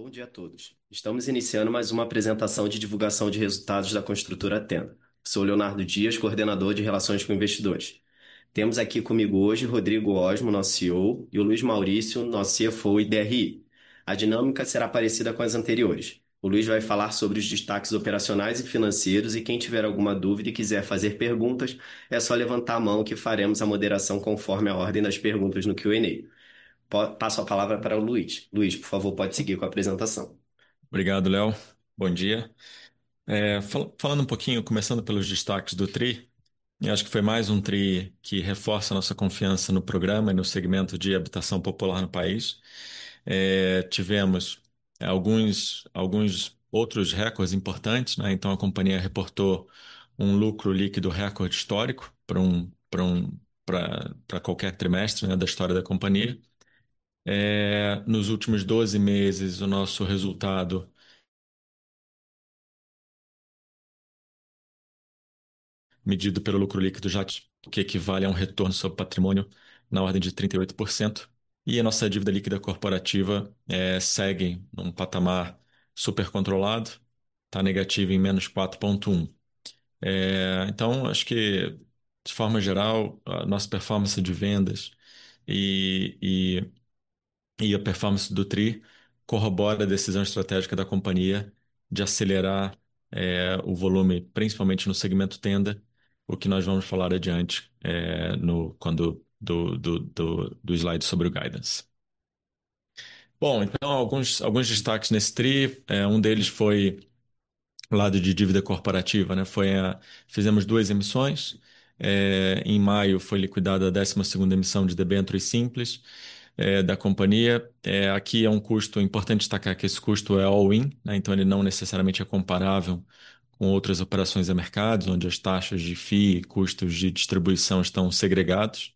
Bom dia a todos. Estamos iniciando mais uma apresentação de divulgação de resultados da Construtora Tenda. Sou o Leonardo Dias, Coordenador de Relações com Investidores. Temos aqui conosco hoje o Rodrigo Osmo, nosso CEO, e o Luiz Maurício, nosso CFO e DRI. A dinâmica será parecida com as anteriores. O Luiz vai falar sobre os destaques operacionais e financeiros e quem tiver alguma dúvida e quiser fazer perguntas, é só levantar a mão que faremos a moderação conforme a ordem das perguntas no Q&A. Passo a palavra para o Luiz. Luiz, por favor, pode seguir com a apresentação. Obrigado, Léo. Bom dia. Falando um pouquinho, começando pelos destaques do tri, acho que foi mais um tri que reforça nossa confiança no programa e no segmento de habitação popular no país. Tivemos alguns outros recordes importantes, né, então a companhia reportou um lucro líquido recorde histórico pra qualquer trimestre, né, da história da companhia. Nos últimos 12 meses, o nosso resultado medido pelo lucro líquido, já que equivale a um retorno sobre patrimônio na ordem de 38% e a nossa dívida líquida corporativa segue num patamar supercontrolado, tá negativo em -4.1. Acho que, de forma geral, a nossa performance de vendas e a performance do tri corrobora a decisão estratégica da companhia de acelerar o volume, principalmente no segmento Tenda, o que nós vamos falar adiante, no slide sobre o guidance. Bom, alguns destaques nesse tri. Um deles foi o lado de dívida corporativa, né. Fizemos duas emissões. Em maio foi liquidada a 12ª emissão de debêntures simples da companhia. Aqui é um custo importante destacar que esse custo é all-in, né, então ele não necessariamente é comparável com outras operações a mercado, onde as taxas de fee e custos de distribuição estão segregados.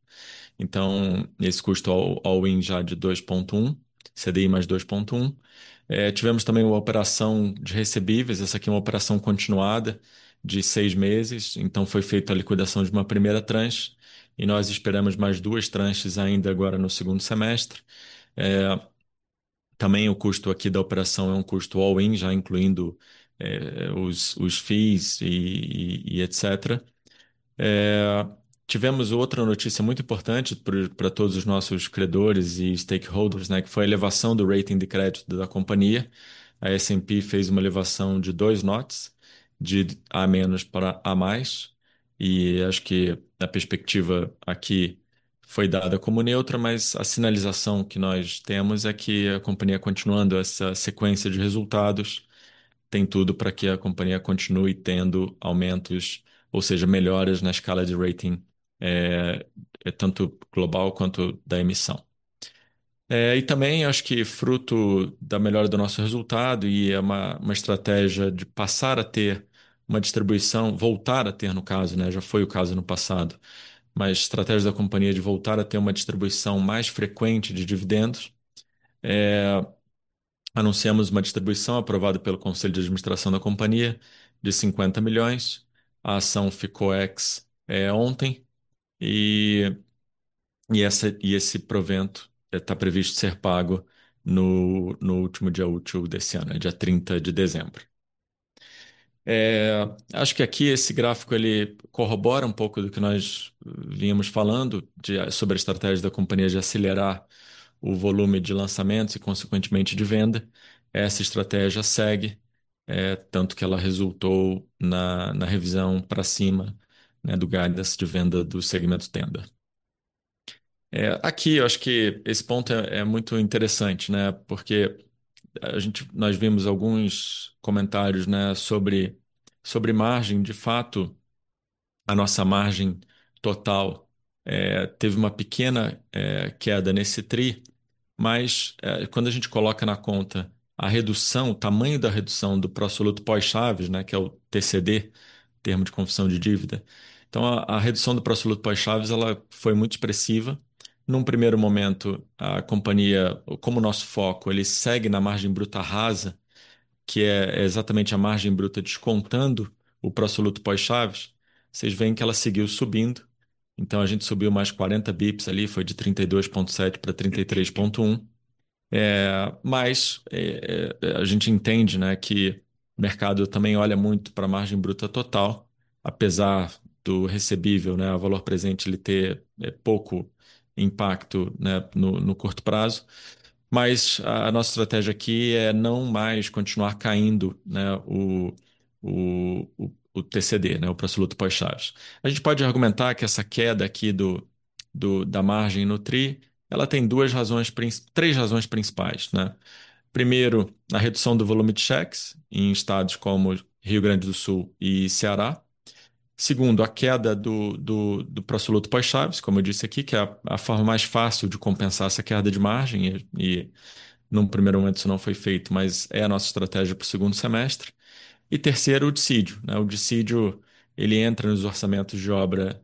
Esse custo all-in já é de 2.1 CDI mais 2.1. Tivemos também uma operação de recebíveis, essa aqui é uma operação continuada de 6 meses, então foi feita a liquidação de uma primeira tranche e nós esperamos mais 2 tranches ainda agora no segundo semestre. Também o custo aqui da operação é um custo all-in, já incluindo os fees e etc. Tivemos outra notícia muito importante pra todos os nossos credores e stakeholders, né, que foi a elevação do rating de crédito da companhia. A S&P fez uma elevação de 2 notches, de A- para A+, e acho que a perspectiva aqui foi dada como neutra, mas a sinalização que nós temos é que a companhia, continuando essa sequência de resultados, tem tudo pra que a companhia continue tendo aumentos, ou seja, melhoras na escala de rating, tanto global quanto da emissão. Também acho que fruto da melhora do nosso resultado e é uma estratégia de passar a ter uma distribuição, voltar a ter, no caso, né, já foi o caso no passado, mas estratégia da companhia de voltar a ter uma distribuição mais frequente de dividendos. Anunciamos uma distribuição aprovada pelo Conselho de Administração da companhia de 50 milhões. A ação ficou ex ontem e esse provento está previsto ser pago no último dia útil desse ano, dia 30 de dezembro. Acho que aqui esse gráfico ele corrobora um pouco do que nós vínhamos falando sobre a estratégia da companhia de acelerar o volume de lançamentos e consequentemente de venda. Essa estratégia segue, tanto que ela resultou na revisão pra cima, né, do guidance de venda do segmento Tenda. Aqui eu acho que esse ponto é muito interessante, né? Porque a gente, nós vimos alguns comentários, né, sobre margem. De fato, a nossa margem total teve uma pequena queda nesse tri, mas quando a gente coloca na conta a redução, o tamanho da redução do pró-soluto pós-chaves, né, que é o TCD, Termo de Confissão de Dívida. Então a redução do pró-soluto pós-chaves ela foi muito expressiva. Num primeiro momento, a companhia, como nosso foco, ele segue na margem bruta rasa, que é exatamente a margem bruta descontando o pró-soluto pós-chaves, cês veem que ela seguiu subindo. Então a gente subiu mais 40 bps ali, foi de 32.7% pra 33.1%. A gente entende, né, que o mercado também olha muito para a margem bruta total, apesar do recebível, né, o valor presente ele ter pouco impacto, né, no curto prazo. A nossa estratégia aqui é não mais continuar caindo, né, o TCD, né, o pró-soluto pós-chaves. A gente pode argumentar que essa queda aqui da margem no trimestre, ela tem três razões principais, né. Primeiro, a redução do volume de cheques em estados como Rio Grande do Sul e Ceará. Segundo, a queda do pró-soluto pós-chaves, como eu disse aqui, que é a forma mais fácil de compensar essa queda de margem e num primeiro momento isso não foi feito, mas é a nossa estratégia para o segundo semestre. Terceiro, o dissídio. O dissídio ele entra nos orçamentos de obra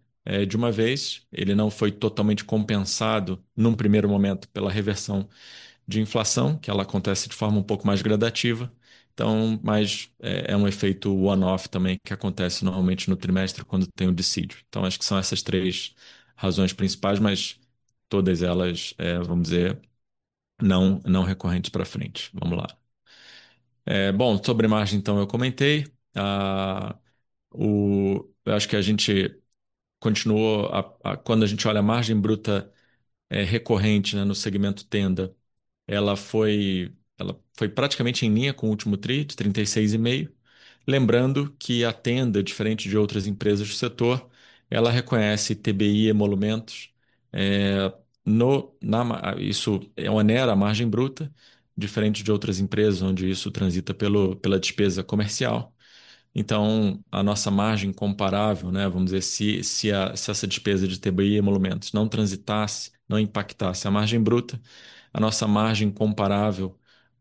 de uma vez. Ele não foi totalmente compensado num primeiro momento pela reversão de inflação, que ela acontece de forma um pouco mais gradativa. Mas é um efeito one-off também, que acontece normalmente no trimestre quando tem o dissídio. Acho que são essas três razões principais, mas todas elas, vamos dizer, não recorrente para frente. Vamos lá. Sobre margem, eu comentei. Acho que a gente continuou, quando a gente olha a margem bruta, recorrente, né, no segmento Tenda, ela foi praticamente em linha com o último tri, de 36.5%. Lembrando que a Tenda, diferente de outras empresas do setor, ela reconhece ITBI e emolumentos na margem, isso onera a margem bruta, diferente de outras empresas onde isso transita pela despesa comercial. A nossa margem comparável, né, vamos dizer se essa despesa de ITBI e emolumentos não transitasse, não impactasse a margem bruta, a nossa margem comparável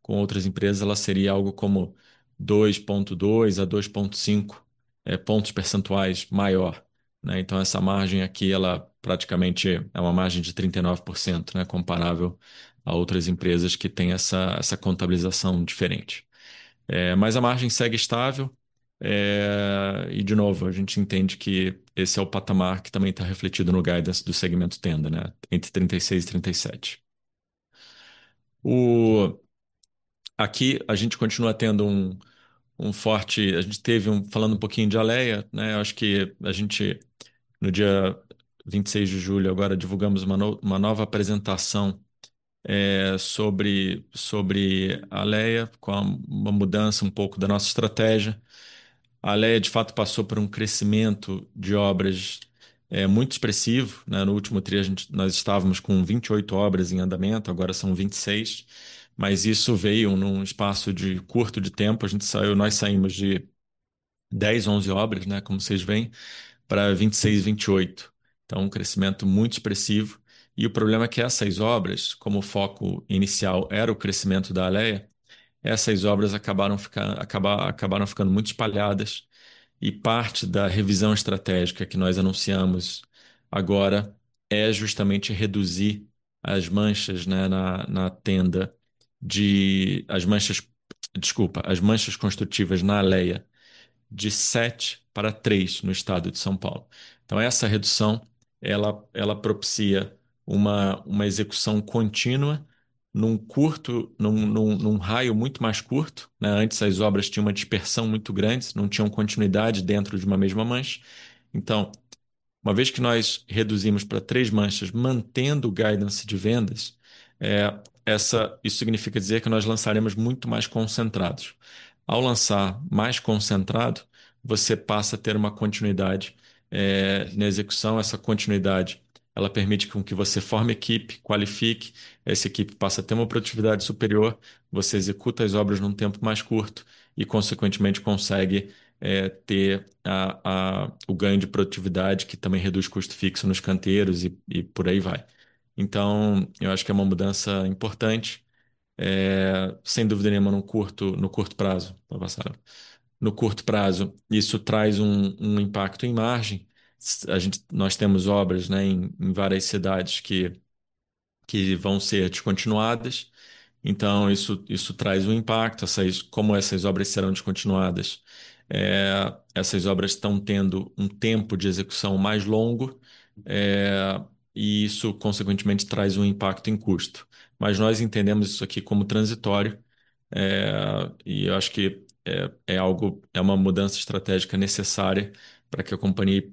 com outras empresas, ela seria algo como 2.2-2.5 pontos percentuais maior, né? Essa margem aqui, ela praticamente é uma margem de 39%, né, comparável a outras empresas que têm essa contabilização diferente. Mas a margem segue estável, e de novo, a gente entende que esse é o patamar que também tá refletido no guidance do segmento Tenda, né? Entre 36% e 37%. Aqui a gente continua tendo um forte, a gente teve um falando um pouquinho de Alea, né, acho que a gente, no dia 26 de julho, agora, divulgamos uma nova apresentação, é, sobre Alea, com uma mudança um pouco da nossa estratégia. Alea, de fato, passou por um crescimento de obras muito expressivo, né? No último tri, a gente, nós estávamos com 28 obras em andamento, agora são 26, mas isso veio num espaço de curto tempo. A gente saiu, nós saímos de 10, 11 obras, né, como cês veem, pra 26, 28. Então um crescimento muito expressivo. O problema é que essas obras, como o foco inicial era o crescimento da Alea, essas obras acabaram ficando muito espalhadas e parte da revisão estratégica que nós anunciamos agora é justamente reduzir as manchas construtivas na Alea de 7 para 3 no estado de São Paulo. Então essa redução ela propicia uma execução contínua num raio muito mais curto, né? Antes, as obras tinham uma dispersão muito grande, não tinham continuidade dentro de uma mesma mancha. Uma vez que nós reduzimos pra 3 manchas, mantendo o guidance de vendas, isso significa dizer que nós lançaremos muito mais concentrados. Ao lançar mais concentrado, você passa a ter uma continuidade na execução. Essa continuidade, ela permite que você forme equipe, qualifique. Essa equipe passa a ter uma produtividade superior, você executa as obras num tempo mais curto e consequentemente consegue ter o ganho de produtividade, que também reduz custo fixo nos canteiros e por aí vai. Eu acho que é uma mudança importante, sem dúvida nenhuma, no curto prazo. No curto prazo, isso traz um impacto em margem. A gente, nós temos obras, né, em várias cidades que vão ser descontinuadas, então isso traz um impacto. Essas como essas obras serão descontinuadas, essas obras tão tendo um tempo de execução mais longo, e isso consequentemente traz um impacto em custo. Mas nós entendemos isso aqui como transitório, e acho que é algo, uma mudança estratégica necessária pra que a companhia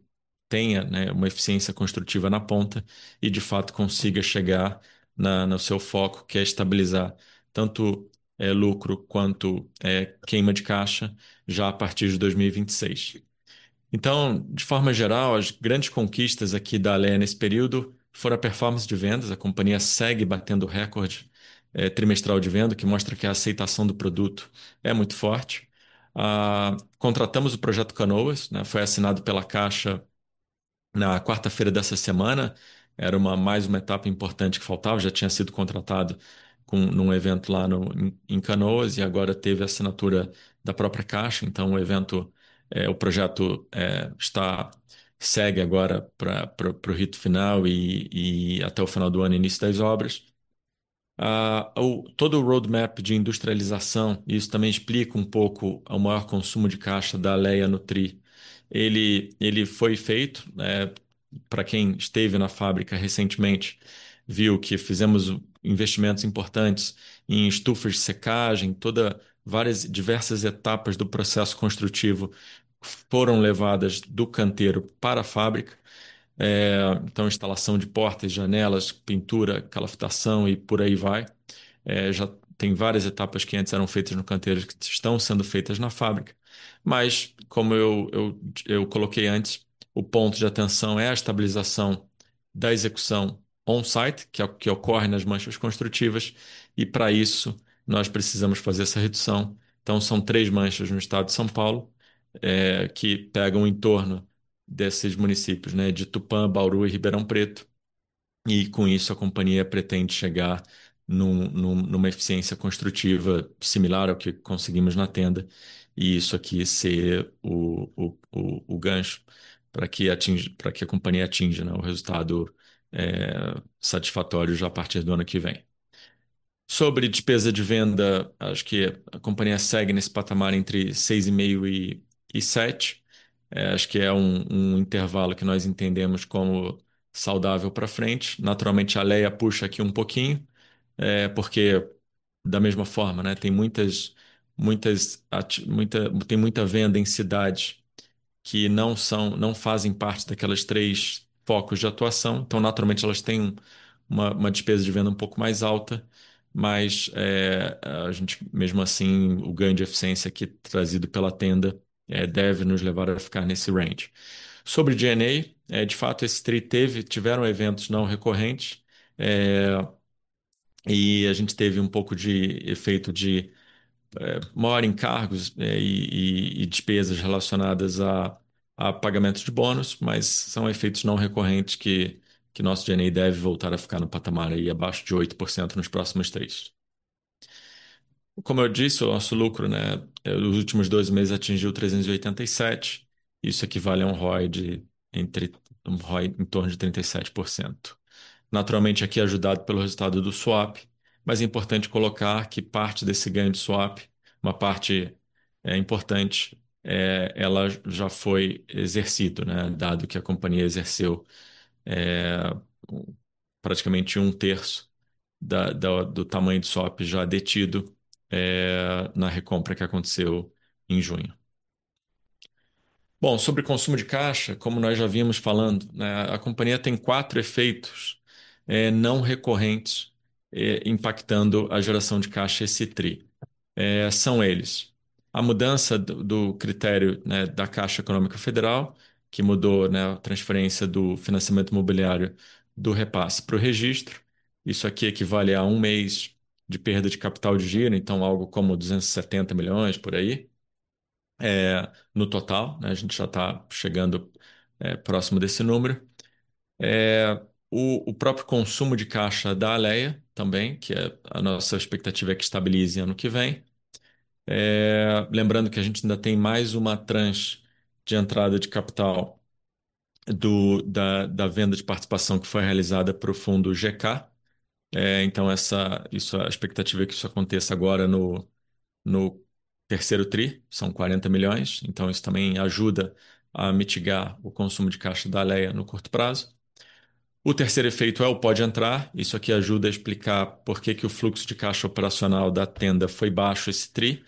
tenha, né, uma eficiência construtiva na ponta e, de fato, consiga chegar no seu foco, que é estabilizar tanto lucro quanto queima de caixa já a partir de 2026. De forma geral, as grandes conquistas aqui da Alea nesse período foram a performance de vendas. A companhia segue batendo recorde trimestral de venda, o que mostra que a aceitação do produto é muito forte. Contratamos o projeto Canoas, foi assinado pela Caixa na quarta-feira dessa semana. Era mais uma etapa importante que faltava, já tinha sido contratado num evento lá em Canoas e agora teve assinatura da própria Caixa. O projeto segue agora para o rito final e até o final do ano, início das obras. Todo o roadmap de industrialização, isso também explica um pouco o maior consumo de caixa da Alea no tri, ele foi feito, para quem esteve na fábrica recentemente, viu que fizemos investimentos importantes em estufas de secagem, várias diversas etapas do processo construtivo foram levadas do canteiro para a fábrica. Instalação de portas, janelas, pintura, calafetação e por aí vai. Já tem várias etapas que antes eram feitas no canteiro, que estão sendo feitas na fábrica. Como eu coloquei antes, o ponto de atenção é a estabilização da execução on-site, que é o que ocorre nas manchas construtivas, e pra isso nós precisamos fazer essa redução. São três manchas no estado de São Paulo, que pegam em torno desses municípios, né, de Tupã, Bauru e Ribeirão Preto. Com isso a companhia pretende chegar numa eficiência construtiva similar ao que conseguimos na Tenda, e isso aqui ser o gancho pra que a companhia atinja, né, o resultado satisfatório já a partir do ano que vem. Sobre despesa de venda, acho que a companhia segue nesse patamar entre 6.5%-7%. Acho que é um intervalo que nós entendemos como saudável pra frente. Naturalmente, a Alea puxa aqui um pouquinho, porque da mesma forma, tem muita venda em cidades que não são, não fazem parte daqueles três focos de atuação, então naturalmente elas têm uma despesa de venda um pouco mais alta, mas a gente mesmo assim, o ganho de eficiência que é trazido pela Tenda, deve nos levar a ficar nesse range. Sobre G&A, de fato, esse tri teve eventos não recorrentes, e a gente teve um pouco de efeito de maiores encargos, e despesas relacionadas a pagamentos de bônus, mas são efeitos não recorrentes que nosso G&A deve voltar a ficar no patamar aí abaixo de 8% nos próximos tris. Como eu disse, o nosso lucro, os últimos dois meses atingiu 387. Isso equivale a um ROE em torno de 37%. Naturalmente, aqui ajudado pelo resultado do swap, mas é importante colocar que parte desse ganho de swap, uma parte importante, ela já foi exercido, né? Dado que a companhia exerceu praticamente um terço do tamanho de swap já detido na recompra que aconteceu em junho. Bom, sobre consumo de caixa, como nós já vínhamos falando, a companhia tem quatro efeitos não recorrentes impactando a geração de caixa esse tri. São eles, a mudança do critério da Caixa Econômica Federal, que mudou a transferência do financiamento imobiliário do repasse pro registro. Isso aqui equivale a um mês de perda de capital de giro, então algo como 270 milhões, por aí. No total, a gente já tá chegando próximo desse número. O próprio consumo de caixa da Alea também, a nossa expectativa é que estabilize ano que vem. Lembrando que a gente ainda tem mais uma tranche de entrada de capital da venda de participação que foi realizada pro fundo GK. A expectativa é que isso aconteça agora no terceiro tri, são 40 million. Isso também ajuda a mitigar o consumo de caixa da Alea no curto prazo. O terceiro efeito é o Pode Entrar. Isso aqui ajuda a explicar por que o fluxo de caixa operacional da Tenda foi baixo esse tri.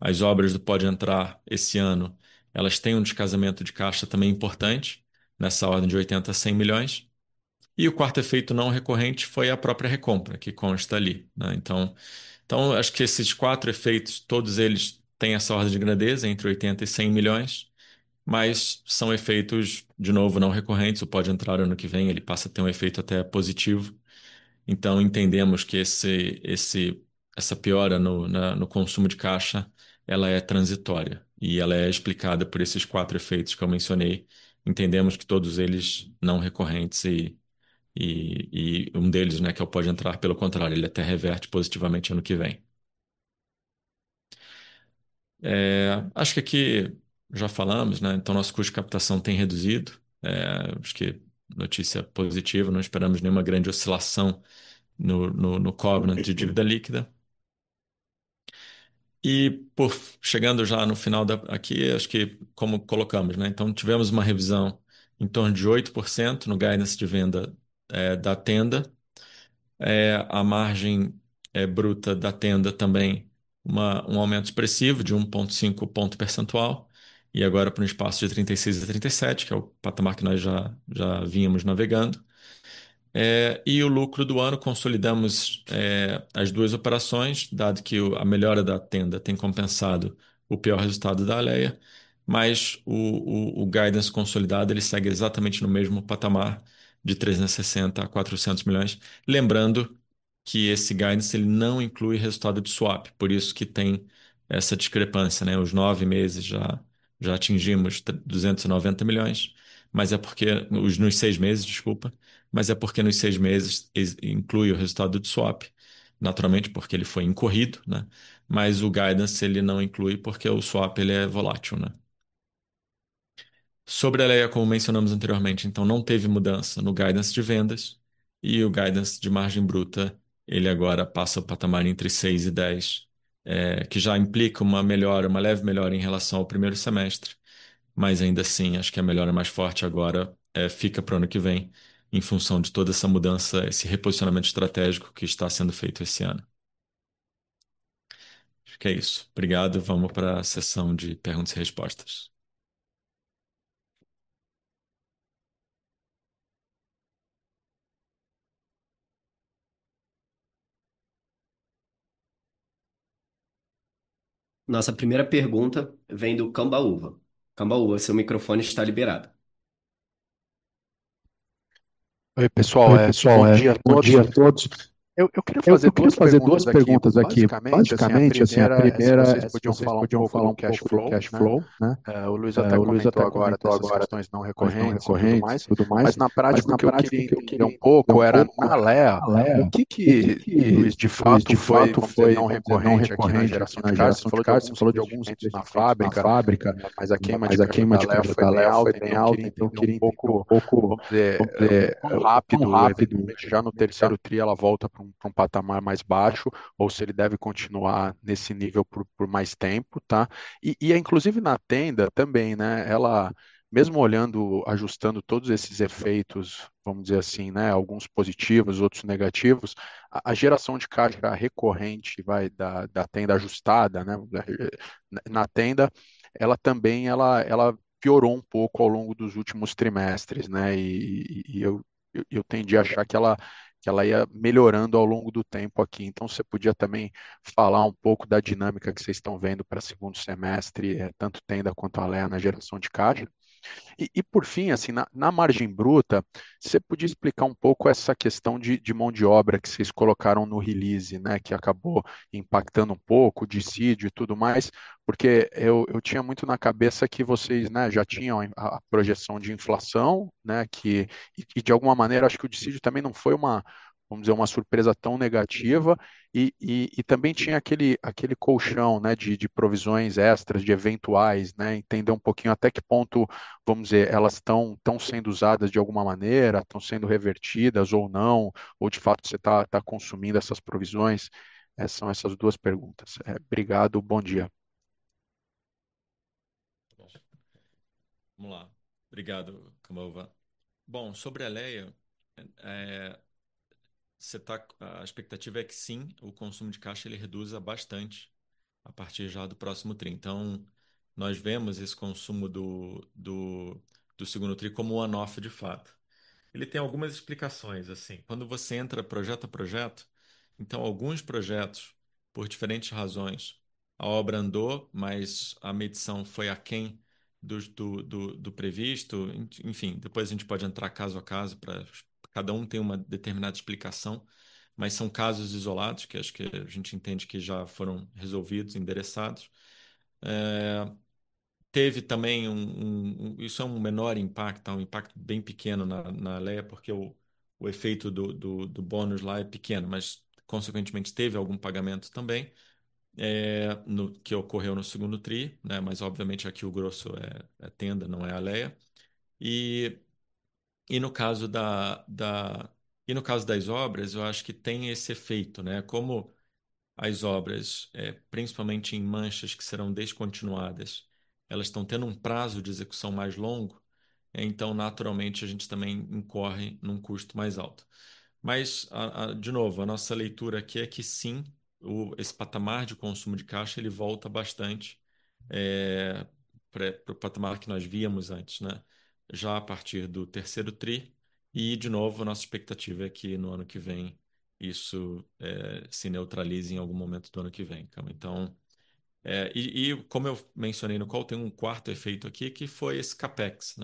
As obras do Pode Entrar esse ano, elas têm um desfasamento de caixa também importante, nessa ordem de 80 million-100 million. O quarto efeito não recorrente foi a própria recompra, que consta ali, né? Acho que esses quatro efeitos, todos eles têm essa ordem de grandeza entre 80 million-100 million, mas são efeitos, de novo, não recorrentes. O Pode Entrar ano que vem, ele passa a ter um efeito até positivo. Entendemos que essa piora no consumo de caixa, ela é transitória e ela é explicada por esses quatro efeitos que eu mencionei. Entendemos que todos eles não recorrentes e um deles, né, que é o Pode Entrar, pelo contrário, ele até reverte positivamente ano que vem. Acho que aqui já falamos, né? Nosso custo de captação tem reduzido. Acho que notícia positiva, não esperamos nenhuma grande oscilação no covenant de dívida líquida. Por fim chegando já no final da aqui, acho que como colocamos, né? Tivemos uma revisão em torno de 8% no guidance de venda da Tenda. A margem bruta da Tenda também um aumento expressivo de 1.5 ponto percentual e agora pra um espaço de 36%-37%, que é o patamar que nós já vínhamos navegando. O lucro do ano consolidamos as duas operações, dado que a melhora da Tenda tem compensado o pior resultado da Alea, mas o guidance consolidado ele segue exatamente no mesmo patamar de 360-400 milhões. Lembrando que esse guidance ele não inclui resultado de swap, por isso que tem essa discrepância, né? Os nove meses já atingimos 290 milhões, mas é porque nos seis meses inclui o resultado de swap, naturalmente, porque ele foi incorrido, né? O guidance, ele não inclui, porque o swap, ele é volátil, né? Sobre a Alea, como mencionamos anteriormente, então não teve mudança no guidance de vendas e o guidance de margem bruta, ele agora passa o patamar entre 6%-10%, que já implica uma melhora, uma leve melhora em relação ao primeiro semestre, mas ainda assim, acho que a melhora mais forte agora fica pra ano que vem, em função de toda essa mudança, esse reposicionamento estratégico que está sendo feito esse ano. Acho que é isso. Obrigado. Vamos pra sessão de perguntas e respostas. Nossa primeira pergunta vem do Cambauva. Cambauva, o seu microfone está liberado. Oi pessoal, bom dia a todos. Eu queria fazer duas perguntas aqui, basicamente. A primeira, vocês podiam falar um pouco o cash flow. O Luiz Maurício até comentou agora dessas questões não recorrentes e tudo mais, mas, na prática, o que eu queria um pouco era: na Alea, o que de fato foi como sendo não recorrente, na geração de caixa? Você falou de alguns itens na fábrica, mas a queima de caixa da Alea foi bem alta. Eu queria então um pouco, vamos dizer, quão rápido, já no terceiro tri, ela volta pra um patamar mais baixo ou se ele deve continuar nesse nível por mais tempo. E inclusive na Tenda também. Mesmo olhando, ajustando todos esses efeitos, vamos dizer assim, alguns positivos, outros negativos, a geração de caixa recorrente da Tenda ajustada, na Tenda, ela também piorou um pouco ao longo dos últimos trimestres. Eu tendi a achar que ela ia melhorando ao longo do tempo aqui. Você podia também falar um pouco da dinâmica que vocês estão vendo pra segundo semestre, tanto Tenda quanto Alea, na geração de caixa. Por fim, na margem bruta, você podia explicar um pouco essa questão de mão de obra que vocês colocaram no release, que acabou impactando um pouco o dissídio e tudo mais, porque eu tinha muito na cabeça que vocês já tinham a projeção de inflação, e de alguma maneira, acho que o dissídio também não foi uma, vamos dizer, uma surpresa tão negativa, e também tinha aquele colchão de provisões extras, de eventuais. Entender um pouquinho até que ponto, vamos dizer, elas estão sendo usadas de alguma maneira, estão sendo revertidas ou não, ou de fato, você está consumindo essas provisões. São essas duas perguntas. Obrigado. Bom dia. Vamos lá. Obrigado, Cambauva. Bom, sobre a Alea, a expectativa é que sim, o consumo de caixa reduza bastante a partir já do próximo tri. Nós vemos esse consumo do segundo tri como um one-off, de fato. Ele tem algumas explicações. Quando você entra projeto a projeto, então alguns projetos, por diferentes razões, a obra andou, mas a medição foi aquém do previsto, enfim, depois a gente pode entrar caso a caso, cada um tem uma determinada explicação, mas são casos isolados, que acho que a gente entende que já foram resolvidos, endereçados. Teve também, isso é um menor impacto, é um impacto bem pequeno na Alea, porque o efeito do bônus lá é pequeno, mas consequentemente, teve algum pagamento também, que ocorreu no segundo tri, mas obviamente, aqui o grosso é a Tenda, não é a Alea. No caso das obras, eu acho que tem esse efeito. Como as obras, principalmente em manchas que serão descontinuadas, elas estão tendo um prazo de execução mais longo, então naturalmente, a gente também incorre num custo mais alto. Mas, de novo, a nossa leitura aqui é que sim, esse patamar de consumo de caixa volta bastante pro patamar que nós víamos antes, já a partir do terceiro tri, e de novo, a nossa expectativa é que no ano que vem, isso se neutralize em algum momento do ano que vem. Como eu mencionei no call, tem um quarto efeito aqui que foi esse Capex.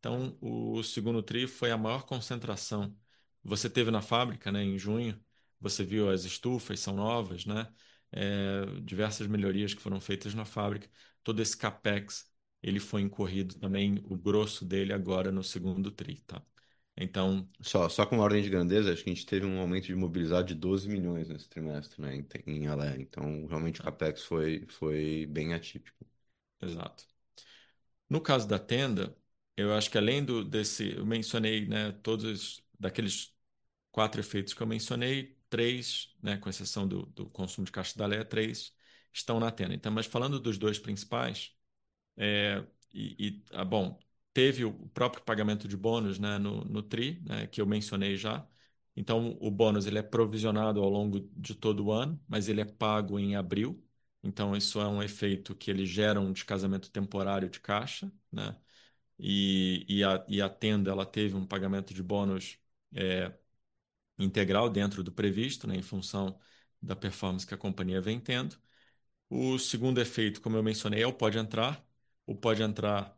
Então o segundo tri foi a maior concentração. Você esteve na fábrica em junho, você viu as estufas, são novas, diversas melhorias que foram feitas na fábrica, todo esse Capex foi incorrido também, o grosso dele, agora no segundo tri. Só como ordem de grandeza, acho que a gente teve um aumento de mobilizado de 12 milhões nesse trimestre em Alea, então realmente o Capex foi bem atípico. Exato. No caso da Tenda, eu acho que além desse, eu mencionei todos daqueles quatro efeitos que eu mencionei, três, com exceção do consumo de caixa da Alea, três estão na Tenda. Falando dos dois principais, teve o próprio pagamento de bônus no 3T, que eu mencionei já. Então o bônus é provisionado ao longo de todo o ano, mas ele é pago em abril, então isso é um efeito que ele gera um descasamento temporário de caixa. A Tenda teve um pagamento de bônus integral dentro do previsto, em função da performance que a companhia vem tendo. O segundo efeito, como eu mencionei, é o Pode Entrar. O Pode Entrar,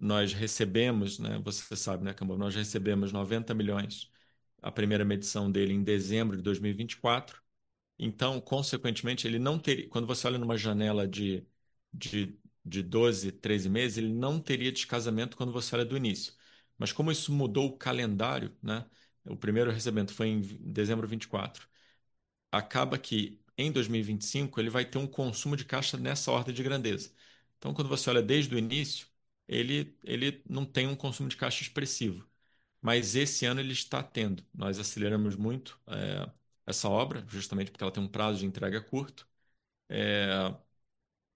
nós recebemos, você sabe, nós recebemos 90 million, a primeira medição dele em dezembro de 2024. Então, consequentemente, quando você olha numa janela de 12-13 meses, ele não teria descasamento quando você olha do início. Como isso mudou o calendário, o primeiro recebimento foi em dezembro 2024, acaba que em 2025, ele vai ter um consumo de caixa nessa ordem de grandeza. Então quando você olha desde o início, ele não tem um consumo de caixa expressivo, mas esse ano ele está tendo. Nós aceleramos muito essa obra, justamente porque ela tem um prazo de entrega curto.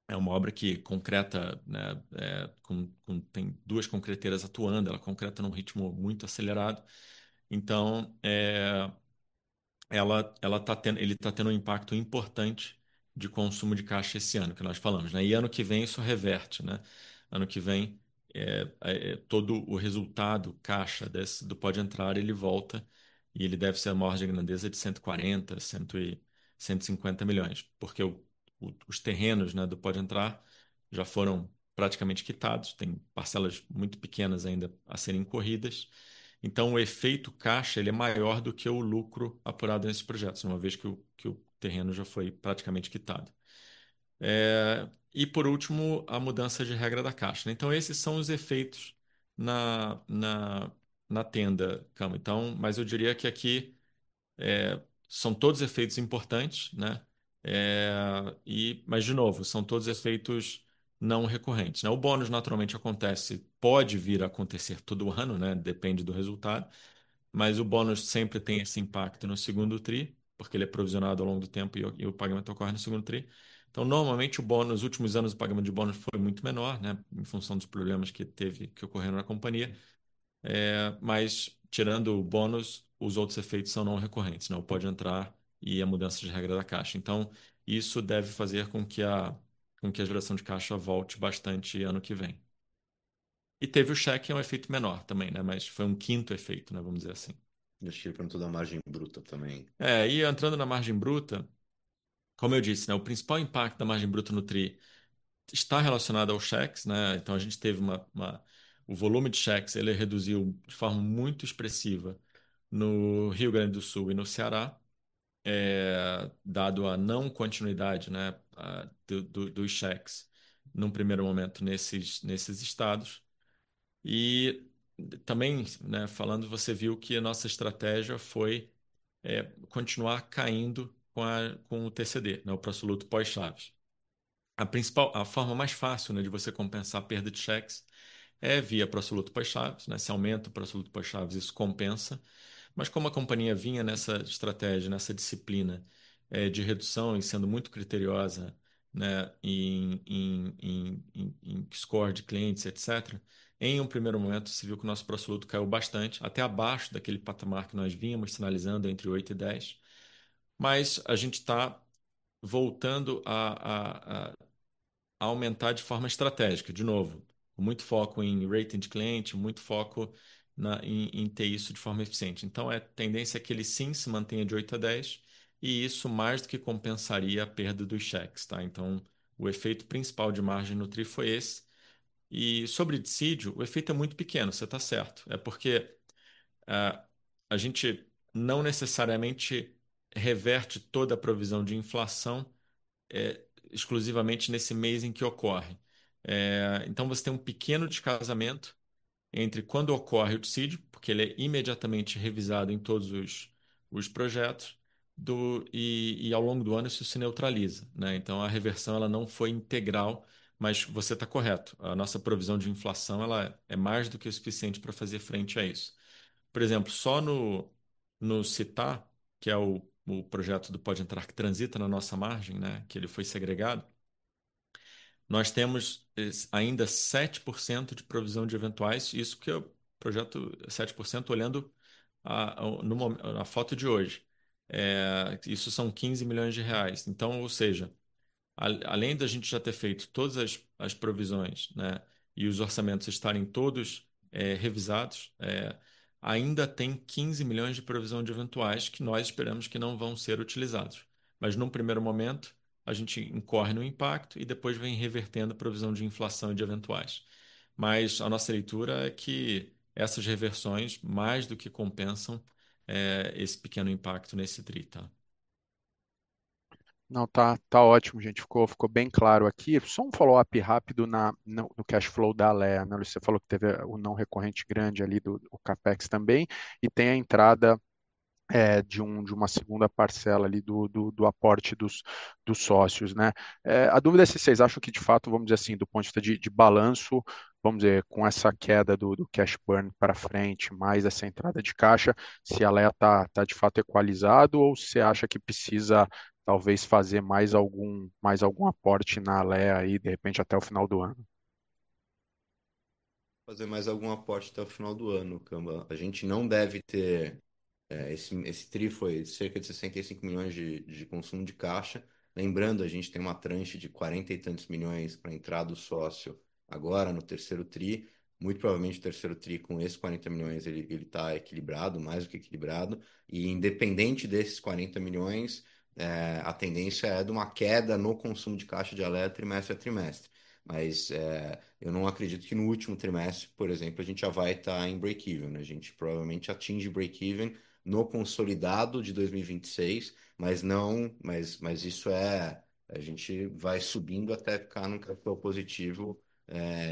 É uma obra que tem duas concretiros atuando, ela concreta num ritmo muito acelerado. Então ele está tendo um impacto importante de consumo de caixa esse ano, que nós falamos. E ano que vem, isso reverte. Ano que vem, todo o resultado caixa do Pode Entrar volta e ele deve ser uma ordem de grandeza de 140 million-150 million, porque os terrenos, né, do Pode Entrar já foram praticamente quitados, tem parcelas muito pequenas ainda a serem corridas. O efeito caixa ele é maior do que o lucro apurado nesses projetos, uma vez que o terreno já foi praticamente quitado. Por último, a mudança de regra da Caixa, né? Esses são os efeitos na Tenda, Camba. Mas eu diria que aqui são todos efeitos importantes, né? Mas de novo, são todos efeitos não recorrentes, né? O bônus naturalmente acontece, pode vir a acontecer todo ano, né? Depende do resultado, mas o bônus sempre tem esse impacto no segundo tri, porque ele é provisionado ao longo do tempo e o pagamento ocorre no segundo tri. Normalmente o bônus, os últimos anos o pagamento de bônus foi muito menor, né? Em função dos problemas que ocorreram na companhia. Mas tirando o bônus, os outros efeitos são não recorrentes, né? O Pode Entrar e a mudança de regra da Caixa. Isso deve fazer com que a geração de caixa volte bastante ano que vem. Teve o cheque, é um efeito menor também, né? Foi um quinto efeito, né, vamos dizer assim. Deixa eu ir pra toda a margem bruta também. Entrando na margem bruta, como eu disse, né, o principal impacto da margem bruta no tri está relacionado às chaves, né? Então a gente teve o volume de chaves, ele reduziu de forma muito expressiva no Rio Grande do Sul e no Ceará, dado à não continuidade, né, das chaves, no primeiro momento nesses estados. Também, né, falando, você viu que a nossa estratégia foi é continuar caindo com o TCD, né? O preço bruto pós-chaves. A forma mais fácil, né, de você compensar a perda de chaves é via preço bruto pós-chaves, né? Se aumenta o preço bruto pós-chaves, isso compensa. Mas como a companhia vinha nessa estratégia, nessa disciplina de redução e sendo muito criteriosa, né, em score de clientes, etc. Em um primeiro momento, se viu que o nosso preço bruto caiu bastante, até abaixo daquele patamar que nós vínhamos sinalizando entre 8 e 10. A gente tá voltando a aumentar de forma estratégica. De novo, muito foco em rating de cliente, muito foco em ter isso de forma eficiente. A tendência é que ele sim se mantenha de 8 a 10, e isso mais do que compensaria a perda dos cheques, tá? O efeito principal de margem no tri foi esse. Sobre dissídio, o efeito é muito pequeno, cê tá certo. É porque a gente não necessariamente reverte toda a provisão de inflação exclusivamente nesse mês em que ocorre. Você tem um pequeno desfasamento entre quando ocorre o dissídio, porque ele é imediatamente revisado em todos os projetos, e ao longo do ano isso se neutraliza, né? A reversão ela não foi integral, mas você tá correto. A nossa provisão de inflação, ela é mais do que o suficiente pra fazer frente a isso. Por exemplo, só no Città, que é o projeto do Pode Entrar que transita na nossa margem, né, que ele foi segregado, nós temos ainda 7% de provisão de eventuais, isso porque o projeto 7% olhando o momento, a foto de hoje. Isso são 15 milhões reais. Além da gente já ter feito todas as provisões, né, e os orçamentos estarem todos revisados, ainda tem 15 million de provisão de eventuais que nós esperamos que não vão ser utilizados. Num primeiro momento, a gente incorre no impacto e depois vem revertendo a provisão de inflação e de eventuais. A nossa leitura é que essas reversões mais do que compensam esse pequeno impacto nesse tri, tá? Não, tá ótimo, gente. Ficou bem claro aqui. Só um follow up rápido no cash flow da Alea, né Luiz? Cê falou que teve o não recorrente grande ali do Capex também, e tem a entrada de uma segunda parcela ali do aporte dos sócios, né? A dúvida é se cês acham que de fato, vamos dizer assim, do ponto de vista de balanço, vamos dizer, com essa queda do cash burn pra frente, mais essa entrada de caixa, se a Alea tá de fato equalizado ou cê acha que precisa talvez fazer mais algum aporte na Alea aí, de repente, até o final do ano? Fazer mais algum aporte até o final do ano, Camba. A gente não deve ter esse tri foi cerca de 65 milhões de consumo de caixa. Lembrando, a gente tem uma tranche de 40 e tantos milhões pra entrada do sócio agora no terceiro tri, muito provavelmente o terceiro tri com esses 40 milhões, ele tá equilibrado, mais do que equilibrado. Independente desses 40 milhões, a tendência é duma queda no consumo de caixa de Alea trimestre a trimestre. Eu não acredito que no último trimestre, por exemplo, a gente já vai tá em break-even, né? A gente provavelmente atinge break-even no consolidado de 2026, mas isso a gente vai subindo até ficar no cashflow positivo,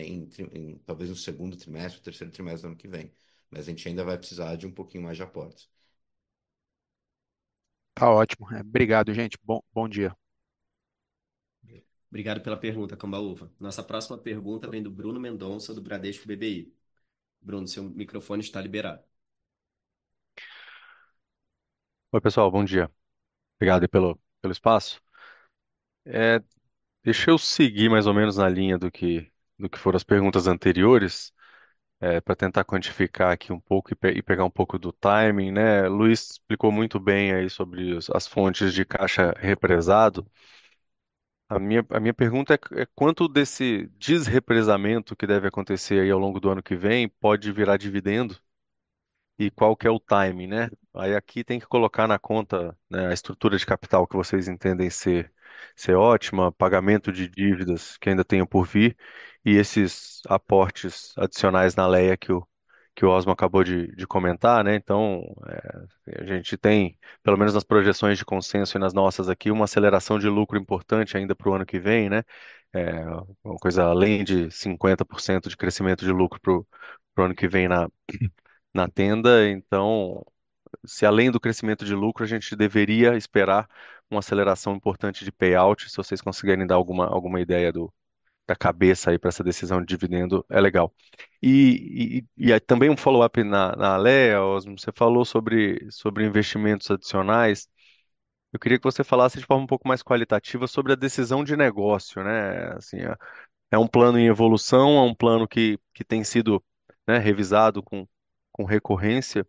em talvez no segundo trimestre, terceiro trimestre do ano que vem, mas a gente ainda vai precisar de um pouquinho mais de aportes. Tá ótimo. Obrigado, gente. Bom, bom dia. Obrigado pela pergunta, Cambauva. Nossa próxima pergunta vem do Bruno Mendonça, do Bradesco BBI. Bruno, seu microfone está liberado. Oi, pessoal, bom dia. Obrigado aí pelo espaço. Deixa eu seguir mais ou menos na linha do que foram as perguntas anteriores, pra tentar quantificar aqui um pouco e pegar um pouco do timing, né? Luiz explicou muito bem aí sobre as fontes de caixa represado. A minha pergunta é quanto desse desrepresamento que deve acontecer aí ao longo do ano que vem pode virar dividendo? Qual que é o timing, né? Aí aqui tem que colocar na conta, né, a estrutura de capital que vocês entendem ser ótima, pagamento de dívidas que ainda tenham por vir e esses aportes adicionais na Alea que o Osmo acabou de comentar, né? Então, a gente tem, pelo menos nas projeções de consenso e nas nossas aqui, uma aceleração de lucro importante ainda pro ano que vem, né? Uma coisa além de 50% de crescimento de lucro pro ano que vem na Tenda. Então, se além do crescimento de lucro, a gente deveria esperar uma aceleração importante de payout, se vocês conseguirem dar alguma ideia da cabeça aí pra essa decisão de dividendo, é legal. Aí também um follow-up na Alea, Osmo, você falou sobre investimentos adicionais. Eu queria que você falasse de forma um pouco mais qualitativa sobre a decisão de negócio, né? Assim, é um plano em evolução, é um plano que tem sido, né, revisado com recorrência,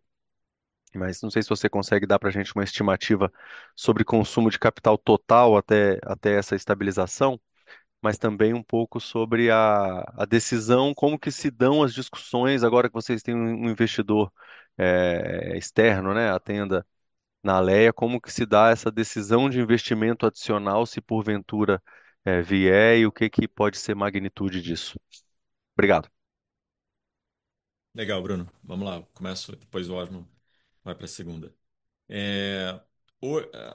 mas não sei se você consegue dar pra gente uma estimativa sobre consumo de capital total até essa estabilização, mas também um pouco sobre a decisão, como que se dão as discussões agora que vocês têm um investidor externo, né? A Tenda na Alea, como que se dá essa decisão de investimento adicional, se porventura vier e o que que pode ser magnitude disso? Obrigado. Legal, Bruno. Vamo lá. Eu começo, depois o Osmo vai pra segunda.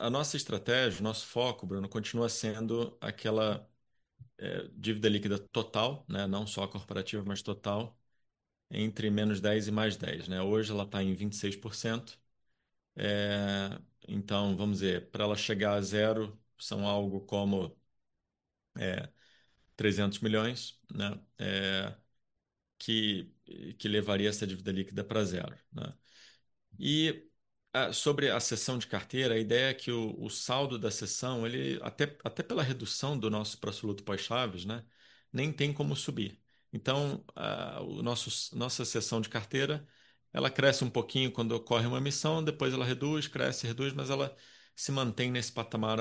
A nossa estratégia, o nosso foco, Bruno, continua sendo aquela, dívida líquida total, né? Não só corporativa, mas total, entre -10 e +10, né? Hoje ela tá em 26%. Então vamos ver, pra ela chegar a zero, são algo como 300 milhões, né, que levaria essa dívida líquida pra zero, né? Sobre a cessão de carteira, a ideia é que o saldo da cessão, ele até pela redução do nosso pró-soluto pós-chaves, né? Nem tem como subir. Então, o nosso cessão de carteira, ela cresce um pouquinho quando ocorre uma emissão, depois ela reduz, cresce, reduz, mas ela se mantém nesse patamar,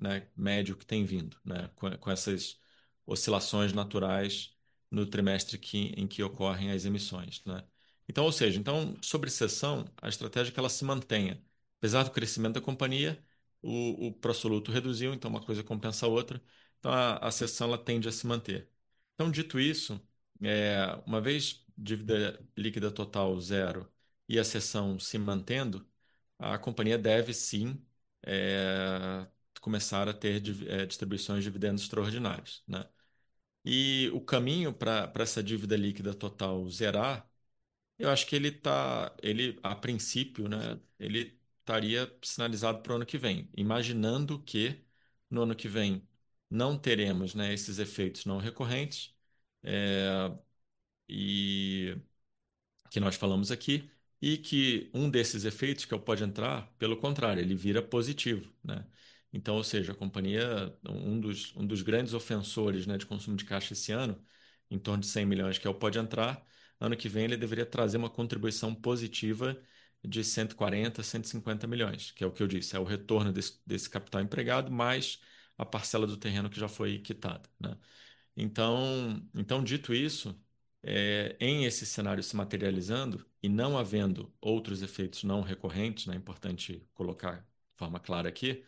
né, média que tem vindo, né? Com essas oscilações naturais no trimestre que em que ocorrem as emissões, né? Ou seja, sobre cessão, a estratégia é que ela se mantenha. Apesar do crescimento da companhia, o pró-soluto reduziu, então uma coisa compensa a outra. A cessão ela tende a se manter. Dito isso, uma vez dívida líquida total zero e a cessão se mantendo, a companhia deve sim começar a ter distribuições de dividendos extraordinários, né? O caminho pra essa dívida líquida total zerar, eu acho que ele tá a princípio, né, ele estaria sinalizado pro ano que vem, imaginando que no ano que vem não teremos, né, esses efeitos não recorrentes, e que nós falamos aqui, e que um desses efeitos, que é o Pode Entrar, pelo contrário, ele vira positivo, né? Ou seja, a companhia, um dos grandes ofensores, né, de consumo de caixa esse ano, em torno de 100 million, que é o Pode Entrar. Ano que vem ele deveria trazer uma contribuição positiva de 140-150 million, que é o que eu disse, o retorno desse capital empregado mais a parcela do terreno que já foi quitada, né? Dito isso, em esse cenário se materializando e não havendo outros efeitos não recorrentes, né, é importante colocar de forma clara aqui,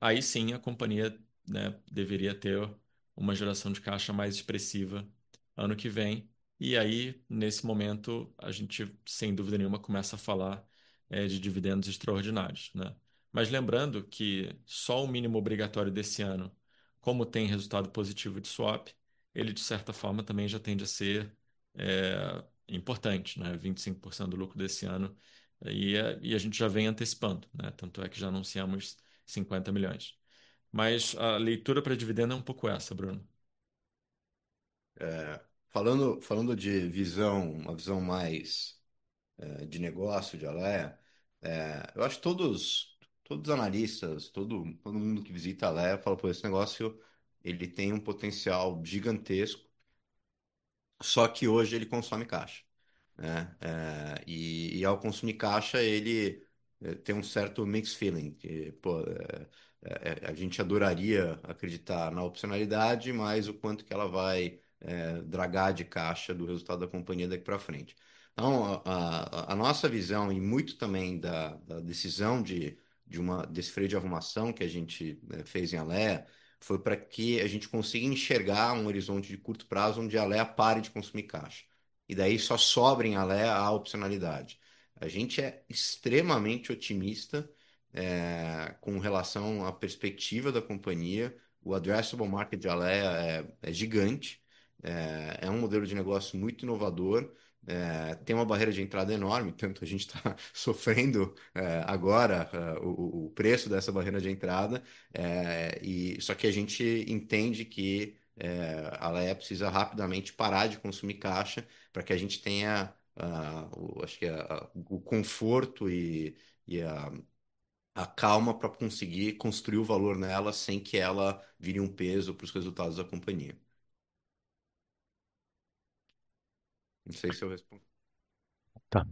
aí sim a companhia, né, deveria ter uma geração de caixa mais expressiva ano que vem. Aí, nesse momento, a gente sem dúvida nenhuma começa a falar de dividendos extraordinários, né? Mas lembrando que só o mínimo obrigatório desse ano, como tem resultado positivo de swap, ele de certa forma também já tende a ser importante, né? 25% do lucro desse ano. A gente já vem antecipando, né? Tanto é que já anunciamos 50 milhões. A leitura pra dividendo é um pouco essa, Bruno. Falando de visão, uma visão mais de negócio de Alea, eu acho todos analistas, todo mundo que visita a Alea fala: "pô, esse negócio ele tem um potencial gigantesco", só que hoje ele consome caixa, né? Ao consumir caixa, ele tem um certo mixed feeling, que pô, a gente adoraria acreditar na opcionalidade, mas o quanto que ela vai dragar de caixa do resultado da companhia daqui pra frente. A nossa visão, e muito também da decisão de uma desse freio de arrumação que a gente fez em Alea, foi pra que a gente consiga enxergar um horizonte de curto prazo onde Alea pare de consumir caixa. Daí só sobra em Alea a opcionalidade. A gente é extremamente otimista com relação à perspectiva da companhia. O addressable market de Alea é gigante. É um modelo de negócio muito inovador. Tem uma barreira de entrada enorme, tanto que a gente tá sofrendo agora o preço dessa barreira de entrada. Só que a gente entende que Alea precisa rapidamente parar de consumir caixa pra que a gente tenha o acho que o conforto e a calma pra conseguir construir o valor nela sem que ela vire um peso pros resultados da companhia. Não sei se eu respondi. Tá.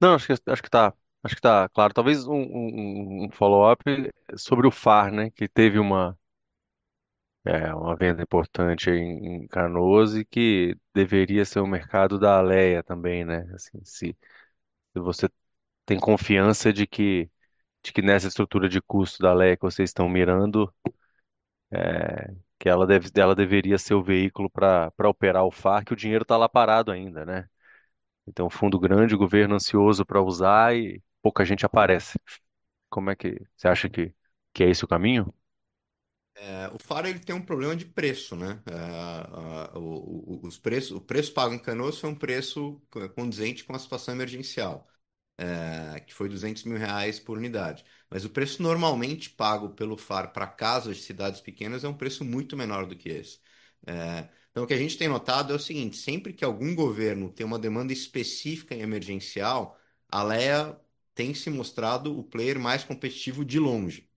Não, acho que tá claro. Talvez um follow-up sobre o FAR, né? Que teve um É uma venda importante em Canoas e que deveria ser o mercado da Alea também, né? Assim, se você tem confiança de que nessa estrutura de custo da Alea que vocês tão mirando, que ela deveria ser o veículo pra operar o FAR, que o dinheiro tá lá parado ainda, né? Então fundo grande, o governo ansioso pra usar e pouca gente aparece. Como é que cê acha que é esse o caminho? O FAR ele tem um problema de preço, né? Os preços, o preço pago em Canoas é um preço condizente com a situação emergencial, que foi 200 mil reais por unidade. Mas o preço normalmente pago pelo FAR pra casas de cidades pequenas é um preço muito menor do que esse. Então o que a gente tem notado é o seguinte: sempre que algum governo tem uma demanda específica e emergencial, a Alea tem se mostrado o player mais competitivo de longe.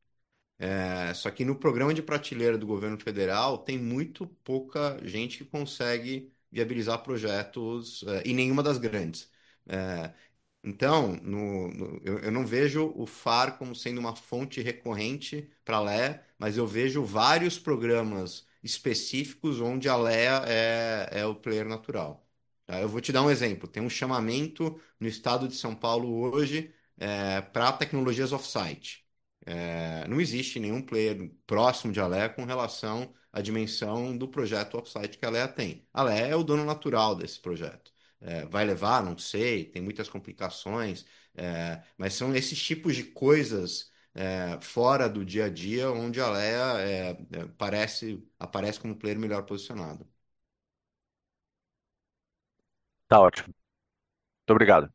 Só que no programa de prateleira do governo federal, tem muito pouca gente que consegue viabilizar projetos, e nenhuma das grandes. Então eu não vejo o FAR como sendo uma fonte recorrente pra Alea, mas eu vejo vários programas específicos onde a Alea é o player natural. Eu vou te dar um exemplo: tem um chamamento no estado de São Paulo hoje, pra tecnologias off-site. Não existe nenhum player próximo de Alea com relação à dimensão do projeto off-site que a Alea tem. A Alea é o dono natural desse projeto. Vai levar? Não sei, tem muitas complicações, mas são esses tipos de coisas, fora do dia a dia, onde a Alea aparece como o player melhor posicionado. Tá ótimo. Muito obrigado.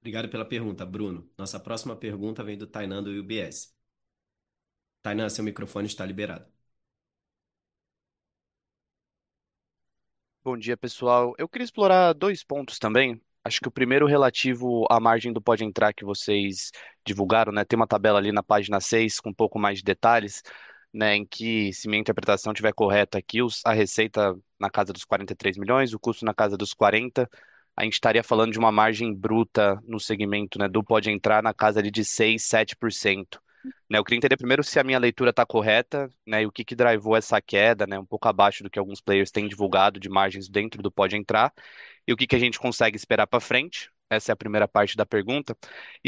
Obrigado pela pergunta, Bruno. Nossa próxima pergunta vem do Tainan, do UBS. Tainan, seu microfone está liberado. Bom dia, pessoal. Eu queria explorar dois pontos também. Acho que o primeiro relativo à margem do Pode Entrar que vocês divulgaram, né? Tem uma tabela ali na página 6 com um pouco mais de detalhes, né, em que, se minha interpretação tiver correta, que a receita na casa dos 43 milhões, o custo na casa dos 40, a gente taria falando de uma margem bruta no segmento, né, do Pode Entrar na casa ali de 6%-7%, né? Eu queria entender primeiro se a minha leitura tá correta, né? E o que que drivou essa queda, né? Um pouco abaixo do que alguns players têm divulgado de margens dentro do Pode Entrar. E o que que a gente consegue esperar pra frente? Essa é a primeira parte da pergunta.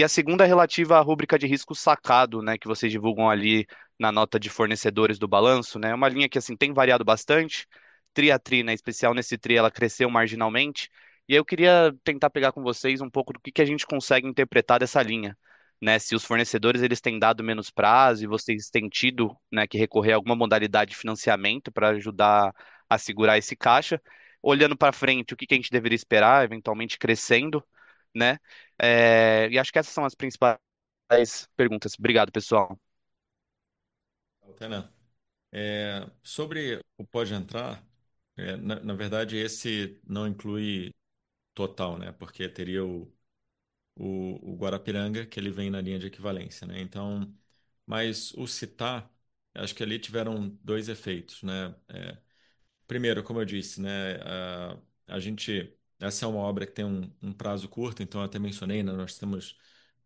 A segunda é relativa à rubrica de Risco Sacado, né, que vocês divulgam ali na nota de fornecedores do balanço, né? É uma linha que, assim, tem variado bastante. Tri a tri, né, em especial nesse tri, ela cresceu marginalmente. Eu queria tentar pegar com vocês um pouco do que a gente consegue interpretar dessa linha, né? Se os fornecedores eles têm dado menos prazo e vocês têm tido, né, que recorrer a alguma modalidade de financiamento pra ajudar a segurar esse caixa. Olhando pra frente, o que que a gente deveria esperar, eventualmente crescendo, né? Acho que essas são as principais perguntas. Obrigado, pessoal. Tá ótimo. Sobre o Pode Entrar, na verdade, esse não inclui total, né? Porque teria o Guarapiranga, que ele vem na linha de equivalência, né? Então, mas o Città, acho que ali tiveram dois efeitos, né? Primeiro, como eu disse, né, essa é uma obra que tem um prazo curto, então eu até mencionei, né, nós temos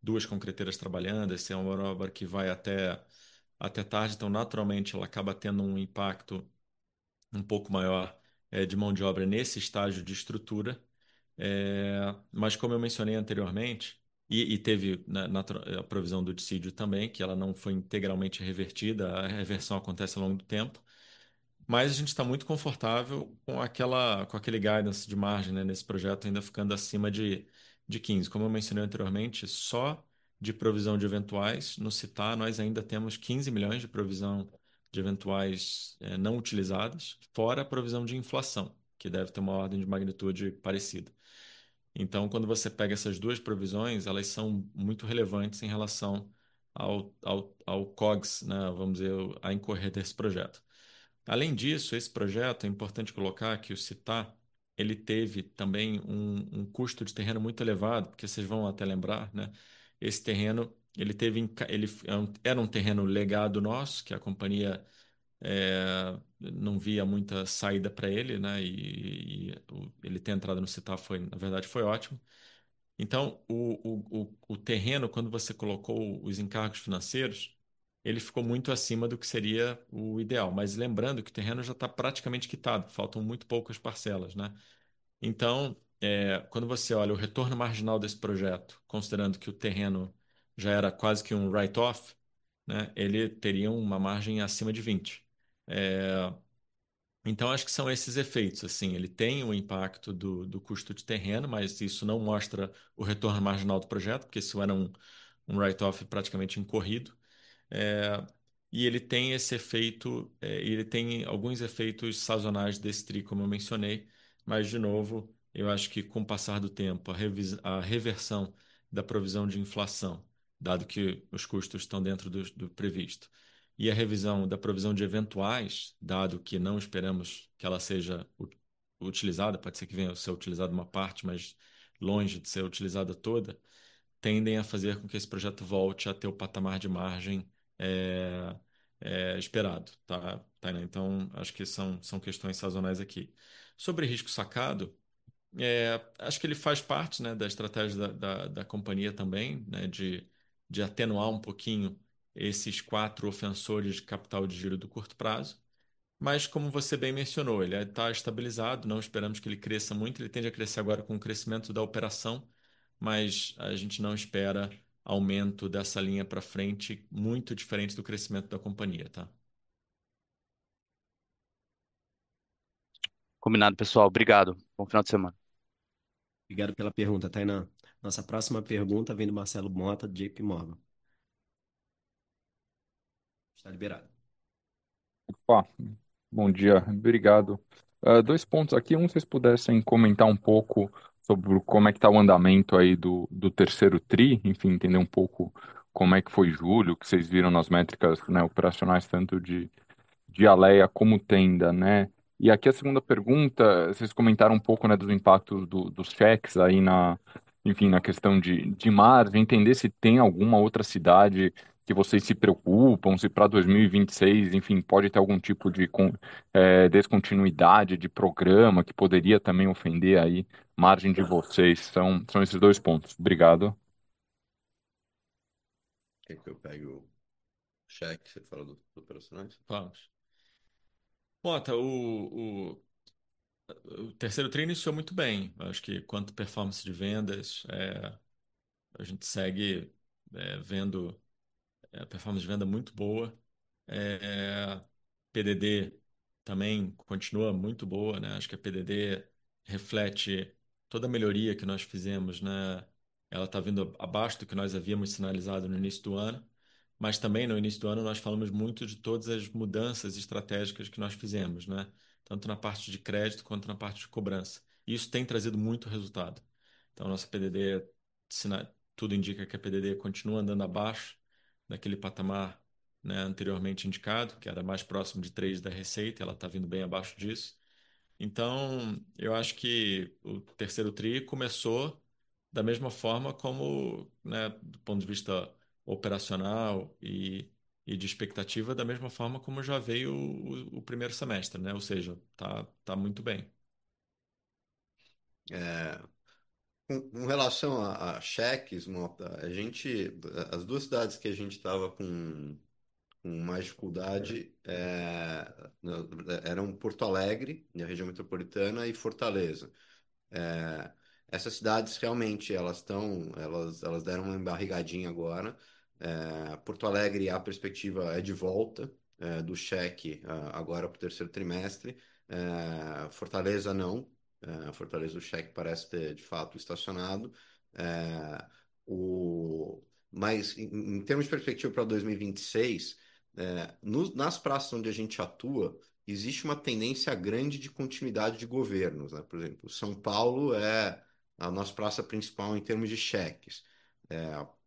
duas concreteiras trabalhando, essa é uma obra que vai até tarde, então naturalmente ela acaba tendo um impacto um pouco maior, de mão de obra nesse estágio de estrutura. Mas como eu mencionei anteriormente, e teve, né, a provisão do dissídio também, que ela não foi integralmente revertida, a reversão acontece ao longo do tempo, mas a gente tá muito confortável com aquela, com aquele guidance de margem, né, nesse projeto, ainda ficando acima de 15%. Como eu mencionei anteriormente, só de provisão de eventuais, no Città, nós ainda temos BRL 15 million de provisão de eventuais, não utilizados, fora a provisão de inflação, que deve ter uma ordem de magnitude parecida. Quando você pega essas duas provisões, elas são muito relevantes em relação ao COGS, né, vamos dizer, a incorrer desse projeto. Além disso, esse projeto, é importante colocar que o Città, ele teve também um custo de terreno muito elevado, porque cês vão até lembrar, né? Esse terreno, era um terreno legado nosso, que a companhia, não via muita saída pra ele, né? Ele ter entrado no Città foi, na verdade, ótimo. O terreno, quando você colocou os encargos financeiros, ele ficou muito acima do que seria o ideal, mas lembrando que o terreno já tá praticamente quitado, faltam muito poucas parcelas, né? Quando você olha o retorno marginal desse projeto, considerando que o terreno já era quase que um write-off, né, ele teria uma margem acima de 20%. Acho que são esses efeitos, assim, ele tem o impacto do custo de terreno, mas isso não mostra o retorno marginal do projeto, porque isso era um write-off praticamente incorrido. Ele tem esse efeito. Ele tem alguns efeitos sazonais desse tri, como eu mencionei, mas de novo, eu acho que com o passar do tempo, a reversão da provisão de inflação, dado que os custos tão dentro do previsto, e a revisão da provisão de eventuais, dado que não esperamos que ela seja utilizada, pode ser que venha a ser utilizada uma parte, mas longe de ser utilizada toda, tendem a fazer com que esse projeto volte a ter o patamar de margem esperado, tá, Tainã. Então acho que são questões sazonais aqui. Sobre Risco Sacado, acho que ele faz parte, né, da estratégia da companhia também, né, de atenuar um pouquinho esses quatro ofensores de capital de giro do curto prazo. como você bem mencionou, ele tá estabilizado, não esperamos que ele cresça muito, ele tende a crescer agora com o crescimento da operação, mas a gente não espera aumento dessa linha pra frente, muito diferente do crescimento da companhia, tá? Combinado, pessoal. Obrigado. Bom final de semana. Obrigado pela pergunta, Tainã. Nossa próxima pergunta vem do Marcelo Motta, J.P. Morgan. Está liberado. Opa, bom dia. Obrigado. Dois pontos aqui. Um, se vocês pudessem comentar um pouco sobre como é que tá o andamento aí do terceiro tri, enfim, entender um pouco como é que foi julho, o que cês viram nas métricas, né, operacionais, tanto de Alea como Tenda, né? Aqui a segunda pergunta, vocês comentaram um pouco, né, dos impactos dos cheques aí na, enfim, na questão de margem, entender se tem alguma outra cidade que vocês se preocupam, se pra 2026, enfim, pode ter algum tipo de descontinuidade de programa que poderia também ofender aí a margem de vocês. São esses dois pontos. Obrigado. Quer que eu pegue o cheque, cê fala do operacionais? Claro. Mota, o terceiro tri iniciou muito bem. Acho que quanto performance de vendas, a gente segue vendo performance de venda muito boa. PDD também continua muito boa, né? Acho que a PDD reflete toda a melhoria que nós fizemos, né? Ela tá vindo abaixo do que nós havíamos sinalizado no início do ano, mas também no início do ano nós falamos muito de todas as mudanças estratégicas que nós fizemos, né? Tanto na parte de crédito quanto na parte de cobrança. Isso tem trazido muito resultado. Então nosso PDD tudo indica que a PDD continua andando abaixo daquele patamar, né, anteriormente indicado, que era mais próximo de 3% da receita, ela tá vindo bem abaixo disso. Eu acho que o terceiro tri começou da mesma forma como, né, do ponto de vista operacional e de expectativa, da mesma forma como já veio o primeiro semestre, né? Ou seja, tá muito bem. Com relação a cheques, Motta, a gente, as duas cidades que a gente tava com mais dificuldade eram Porto Alegre, né, região metropolitana, e Fortaleza. Essas cidades realmente deram uma embarrigadinha agora. Porto Alegre a perspectiva é de volta do cheque agora pro terceiro trimestre. Fortaleza, não. Fortaleza o cheque parece ter, de fato, estacionado. Mas em termos de perspectiva pra 2026, nas praças onde a gente atua, existe uma tendência grande de continuidade de governos, né. Por exemplo, São Paulo é a nossa praça principal em termos de cheques.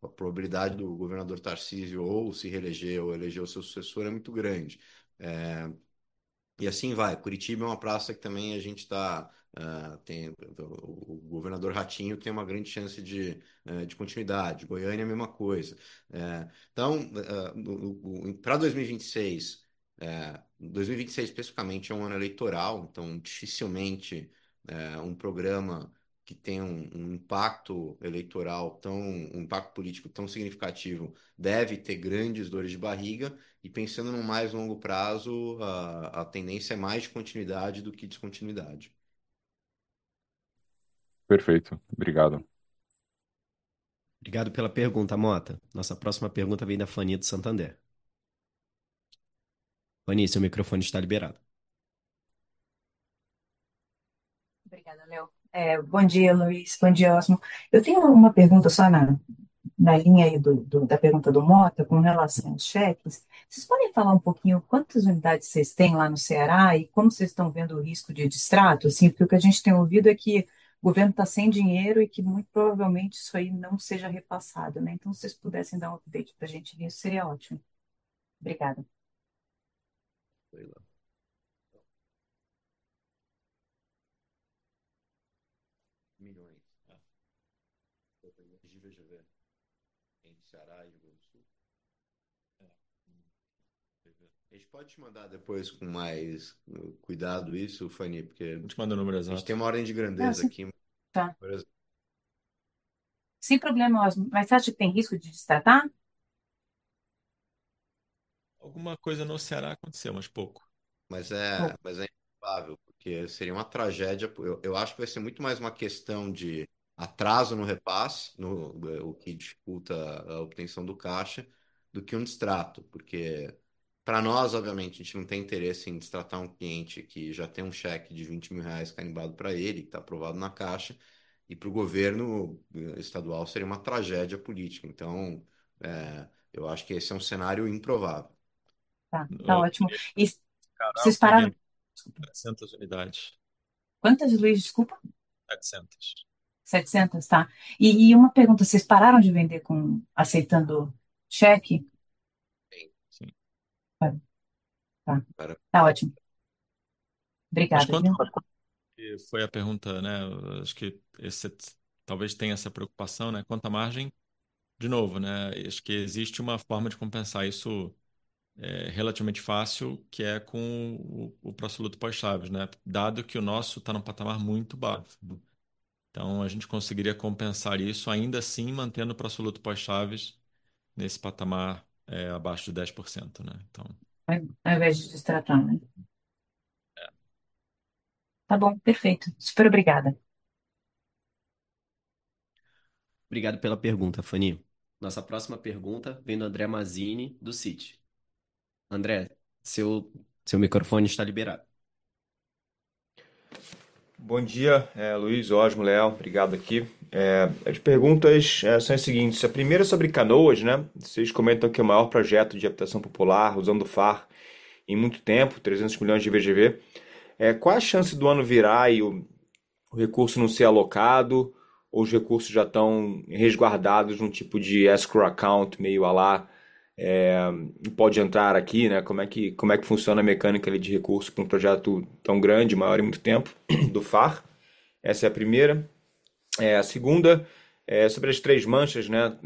A probabilidade do governador Tarcísio ou se reeleger ou eleger o seu sucessor é muito grande. E assim vai. Curitiba é uma praça que também a gente tá tem o governador Ratinho, tem uma grande chance de continuidade. Goiânia a mesma coisa. Então, pra 2026 especificamente é um ano eleitoral, então dificilmente um programa que tem um impacto político tão significativo deve ter grandes dores de barriga e pensando no mais longo prazo, a tendência é mais de continuidade do que descontinuidade. Perfeito. Obrigado. Obrigado pela pergunta, Mota. Nossa próxima pergunta vem da Fani, do Santander. Fani, seu microfone está liberado. Obrigada, Léo. Bom dia, Luiz. Bom dia, Osni. Eu tenho uma pergunta só na linha aí da pergunta do Mota com relação aos cheques. Cês podem falar um pouquinho quantas unidades cês têm lá no Ceará e como cês tão vendo o risco de distrato? Assim, porque o que a gente tem ouvido é que o Governo tá sem dinheiro e que muito provavelmente isso aí não seja repassado, né? Então se cês pudessem dar um update pra gente nisso, seria ótimo. Obrigada. Vai lá. Milhões de VGV. Em Ceará e Rio Grande do Sul. A gente pode te mandar depois com mais cuidado isso, Fani, porque- A gente manda números exatos. A gente tem uma ordem de grandeza aqui. Tá. Sem problema, Osmo, mas cê acha que tem risco de deteriorar? Alguma coisa no Ceará aconteceu, mas pouco. É improvável, porque seria uma tragédia. Eu acho que vai ser muito mais uma questão de atraso no repasse, o que dificulta a obtenção do caixa, do que um distrato, porque para nós, obviamente, a gente não tem interesse em distratar um cliente que já tem um cheque de 20,000 reais caucionado para ele, que tá aprovado na Caixa, e para o Governo Estadual seria uma tragédia política. Eu acho que esse é um cenário improvável. Tá ótimo. 700 unidades. Quantas, Luiz? Desculpa. Setecentas. 700? Tá. Uma pergunta: cês pararam de vender aceitando cheque? Sim, sim. Tá. Tá ótimo. Obrigada. Foi a pergunta, né? Acho que esse talvez tenha essa preocupação, né? Quanto à margem. De novo, né? Acho que existe uma forma de compensar isso relativamente fácil, que é com o pró-soluto pós-chaves, né? Dado que o nosso tá num patamar muito baixo. Então a gente conseguiria compensar isso ainda assim mantendo o pró-soluto pós-chaves nesse patamar abaixo de 10%, né, então. Ao invés de desatar, né? É. Tá bom, perfeito. Super obrigada. Obrigado pela pergunta, Fani. Nossa próxima pergunta vem do André Mazzini, do Citi. André, seu microfone está liberado. Bom dia, Luiz, Osmo, Léo, obrigado aqui. As perguntas são as seguintes: a primeira é sobre Canoas, né? Vocês comentam que é o maior projeto de habitação popular usando o FAR em muito tempo, 300 milhões de VGV. Qual é a chance do ano virar e o recurso não ser alocado ou os recursos já tão resguardados num tipo de escrow account meio à la pode entrar aqui, né? Como é que funciona a mecânica ali de recurso para um projeto tão grande, o maior em muito tempo do FAR? Essa é a primeira. A segunda é sobre as três manchas, né?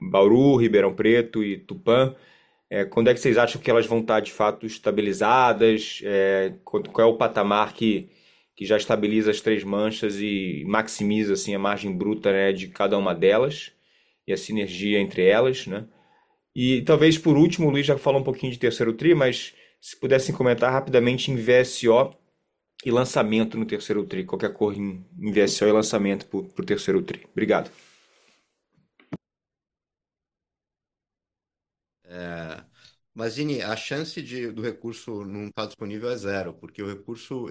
Bauru, Ribeirão Preto e Tupã. Quando é que vocês acham que elas vão estar de fato estabilizadas? Qual é o patamar que já estabiliza as três manchas e maximiza assim a margem bruta, né, de cada uma delas e a sinergia entre elas, né? E talvez por último, o Luiz já falou um pouquinho de terceiro tri, mas se pudessem comentar rapidamente em VSO e lançamento no terceiro tri, qualquer coisa em VSO e lançamento pro terceiro tri. Obrigado. Mazzini, a chance de do recurso não tá disponível é zero, porque o recurso,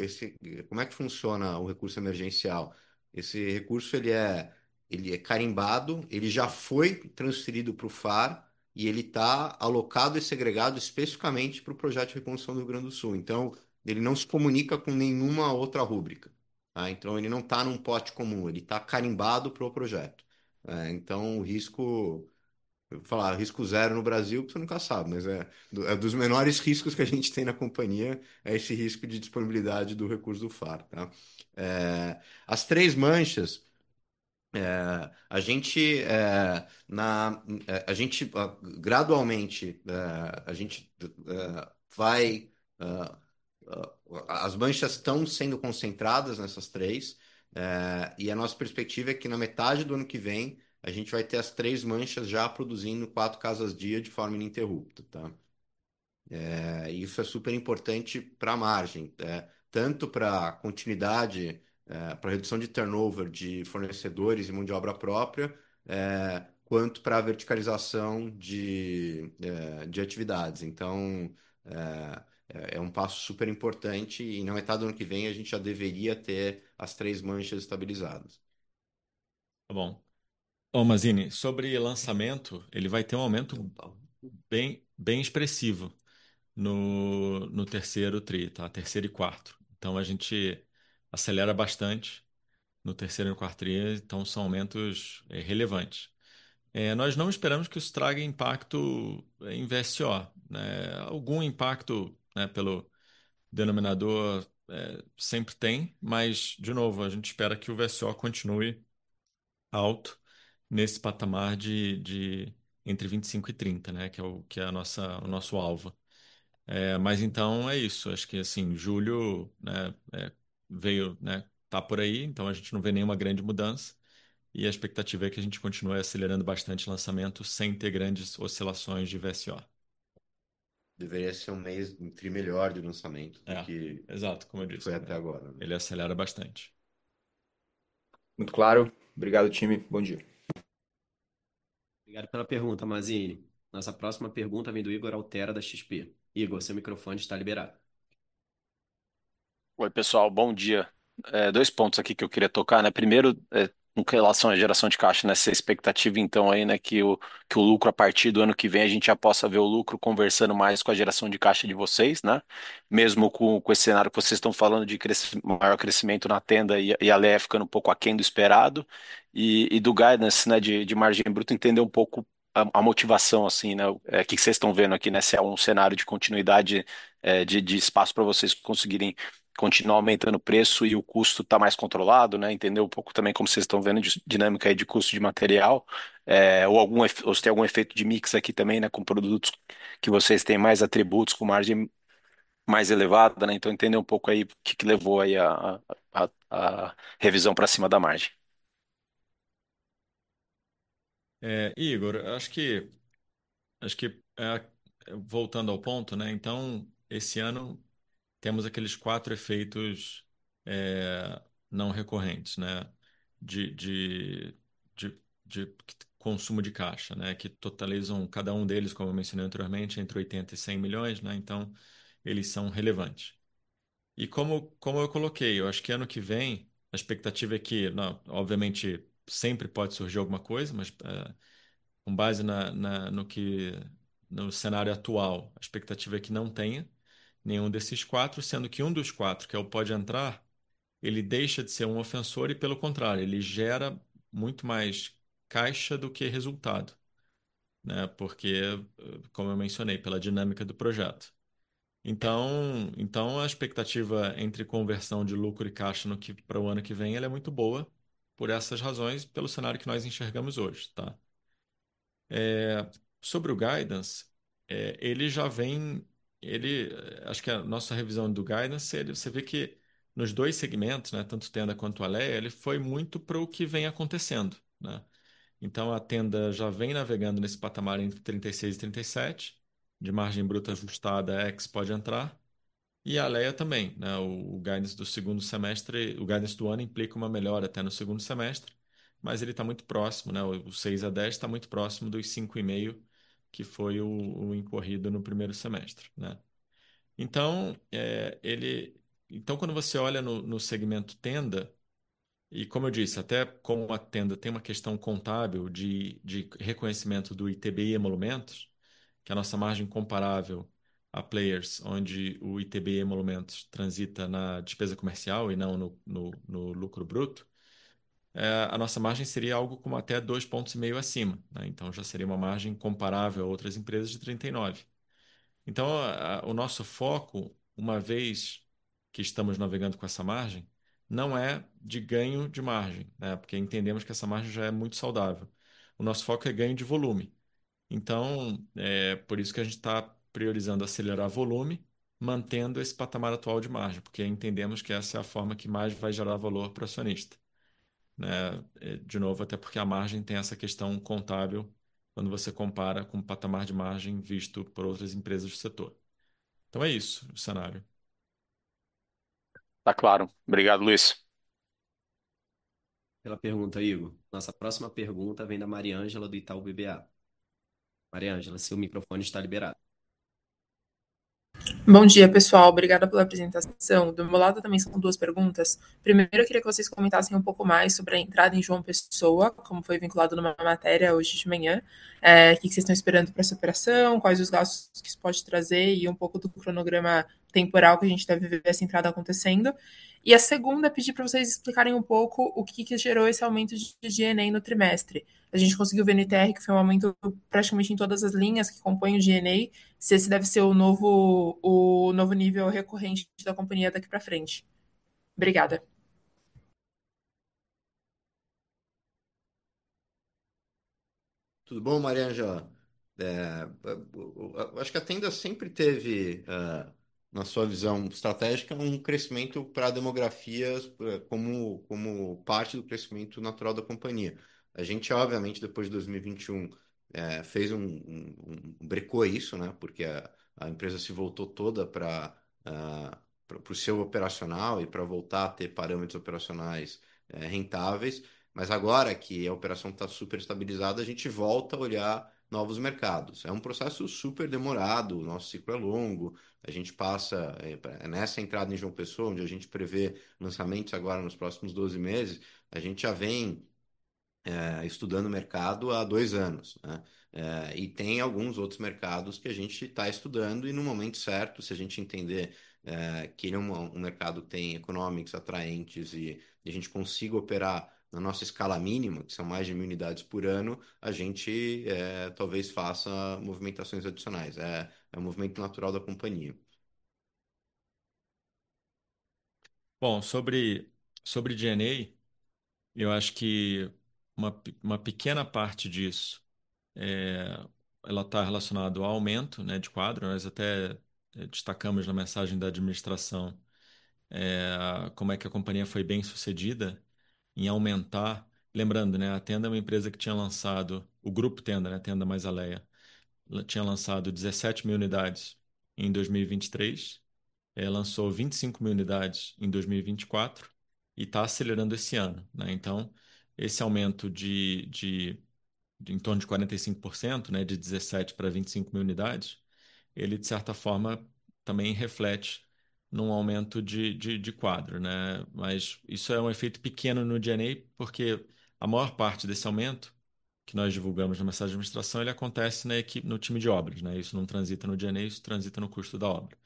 como é que funciona o recurso emergencial? Esse recurso ele é carimbado, ele já foi transferido pro FAR e ele tá alocado e segregado especificamente pro projeto de reconstrução do Rio Grande do Sul. Então ele não se comunica com nenhuma outra rubrica, tá? Então ele não tá num pote comum, ele tá carimbado pro projeto. Então o risco, falar risco zero no Brasil, você nunca sabe, mas é dos menores riscos que a gente tem na companhia, é esse risco de disponibilidade do recurso do FAR, tá? As 3 manchas, a gente gradualmente vai, as manchas tão sendo concentradas nessas 3, e a nossa perspectiva é que na metade do ano que vem, a gente vai ter as 3 manchas já produzindo 4 casas/dia de forma ininterrupta. Isso é superimportante pra margem, tanto pra continuidade, pra redução de turnover de fornecedores e mão de obra própria, quanto pra verticalização de atividades. É um passo superimportante e na metade do ano que vem a gente já deveria ter as 3 manchas estabilizadas. Tá bom. Ô, Mazzini, sobre lançamento, ele vai ter um aumento bem expressivo no terceiro tri, tá? Terceiro e quarto. A gente acelera bastante no terceiro e no quarto tri, são aumentos relevantes. Nós não esperamos que isso traga impacto em VSO, né? Algum impacto, né, pelo denominador, sempre tem, mas de novo, a gente espera que o VSO continue alto nesse patamar de entre 25%-30%, né, que é o nosso alvo. É isso, acho que assim, julho, né, veio, né, tá por aí, a gente não vê nenhuma grande mudança e a expectativa é que a gente continue acelerando bastante o lançamento sem ter grandes oscilações de VSO. Deveria ser um mês entre melhor de lançamento do que. Exato, como eu disse. Foi até agora. Ele acelera bastante. Muito claro. Obrigado, time. Bom dia. Obrigado pela pergunta, Mazzini. Nossa próxima pergunta vem do Ygor Altero, da XP. Ygor, seu microfone está liberado. Oi, pessoal, bom dia. Dois pontos aqui que eu queria tocar, né. Primeiro, com relação à geração de caixa, nessa expectativa então aí, né, que o lucro a partir do ano que vem, a gente já possa ver o lucro conversando mais com a geração de caixa de vocês, né? Mesmo com esse cenário que vocês estão falando de maior crescimento na venda e a Alea ficando um pouco aquém do esperado, e do guidance, né, de margem bruta, entender um pouco a motivação assim, né, que cês tão vendo aqui, né, se é um cenário de continuidade, de espaço pra vocês conseguirem continuar aumentando o preço e o custo tá mais controlado, né? Entender um pouco também como cês tão vendo de dinâmica aí de custo de material, ou se tem algum efeito de mix aqui também, né, com produtos que vocês têm mais atributos com margem mais elevada, né? Entender um pouco aí o que que levou aí a revisão pra cima da margem. Ygor, acho que voltando ao ponto, né, então esse ano temos aqueles quatro efeitos não recorrentes, né? De consumo de caixa, né? Que totalizam cada um deles, como eu mencionei anteriormente, 80 million-100 million, né? Então eles são relevantes. Como eu coloquei, eu acho que ano que vem, a expectativa é que obviamente, sempre pode surgir alguma coisa, mas com base no cenário atual, a expectativa é que não tenha nenhum desses quatro, sendo que um dos quatro, que é o Pode Entrar, ele deixa de ser um ofensor e pelo contrário, ele gera muito mais caixa do que resultado. Né? Porque, como eu mencionei, pela dinâmica do projeto. A expectativa entre conversão de lucro e caixa pro ano que vem, ela é muito boa, por essas razões, pelo cenário que nós enxergamos hoje, tá? Sobre o guidance, ele já vem, acho que a nossa revisão do guidance, você vê que nos dois segmentos, né, tanto Tenda quanto Alea, ele foi muito próximo do que vem acontecendo, né. A Tenda já vem navegando nesse patamar entre 36%-37% de margem bruta ajustada no Pode Entrar, e a Alea também, né, o guidance do ano implica uma melhora até no segundo semestre, mas ele tá muito próximo, né, o 6%-10% tá muito próximo dos 5.5%, que foi o incorrido no primeiro semestre, né. Quando você olha no segmento Tenda, e como eu disse, até como a Tenda tem uma questão contábil de reconhecimento do ITBI e emolumentos, que a nossa margem comparável a players onde o ITBI e emolumentos transita na despesa comercial e não no lucro bruto, a nossa margem seria algo como até 2.5 pontos acima, né. Então já seria uma margem comparável a outras empresas de 39%. O nosso foco, uma vez que estamos navegando com essa margem, não é de ganho de margem, né, porque entendemos que essa margem já é muito saudável. O nosso foco é ganho de volume. Por isso que a gente tá priorizando acelerar volume, mantendo esse patamar atual de margem, porque entendemos que essa é a forma que mais vai gerar valor pro acionista, né. É, de novo, até porque a margem tem essa questão contábil quando você compara com o patamar de margem visto por outras empresas do setor. É isso, o cenário. Tá claro. Obrigado, Luiz. Pela pergunta, Igor. Nossa próxima pergunta vem da Mariângela, do Itaú BBA. Mariângela, seu microfone está liberado. Bom dia, pessoal. Obrigada pela apresentação. Do meu lado também são duas perguntas. Primeiro, eu queria que vocês comentassem um pouco mais sobre a entrada em João Pessoa, como foi veiculado numa matéria hoje de manhã. O que que cês tão esperando pra essa operação, quais os gastos que isso pode trazer e um pouco do cronograma temporal que a gente deve ver essa entrada acontecendo. A segunda é pedir pra vocês explicarem um pouco o que que gerou esse aumento de G&A no trimestre. A gente conseguiu ver no TR que foi um aumento praticamente em todas as linhas que compõem o G&A, se esse deve ser o novo, o novo nível recorrente da companhia daqui pra frente. Obrigada. Tudo bom, Mariângela? Acho que a Tenda sempre teve na sua visão estratégica um crescimento pra demografias como parte do crescimento natural da companhia. A gente obviamente depois de 2021 fez freou isso né porque a empresa se voltou toda pra pro seu operacional e pra voltar a ter parâmetros operacionais rentáveis. Agora que a operação tá superestabilizada a gente volta a olhar novos mercados. É um processo superdemorado o nosso ciclo é longo. A gente passa nessa entrada em João Pessoa onde a gente prevê lançamentos agora nos próximos 12 meses a gente já vem estudando o mercado há dois anos né. Tem alguns outros mercados que a gente tá estudando e no momento certo, se a gente entender que ele é um mercado que tem economics atraentes e a gente consiga operar na nossa escala mínima, que são mais de 1,000 unidades por ano, a gente talvez faça movimentações adicionais. O movimento natural da companhia. Bom, sobre G&A, eu acho que uma pequena parte disso, ela tá relacionado ao aumento, né, de quadro. Nós até destacamos na mensagem da administração, como é que a companhia foi bem-sucedida em aumentar. Lembrando, né, a Tenda é uma empresa que tinha lançado o grupo Tenda, né, Tenda mais Alea, tinha lançado 17,000 unidades em 2023, lançou 25,000 unidades em 2024 e tá acelerando esse ano, né. Esse aumento de em torno de 45%, né, de 17 pra 25,000 unidades, ele de certa forma também reflete num aumento de quadro, né, mas isso é um efeito pequeno no G&A, porque a maior parte desse aumento, que nós divulgamos na mensagem de administração, ele acontece no time de obras, né, isso não transita no G&A, isso transita no custo da obra.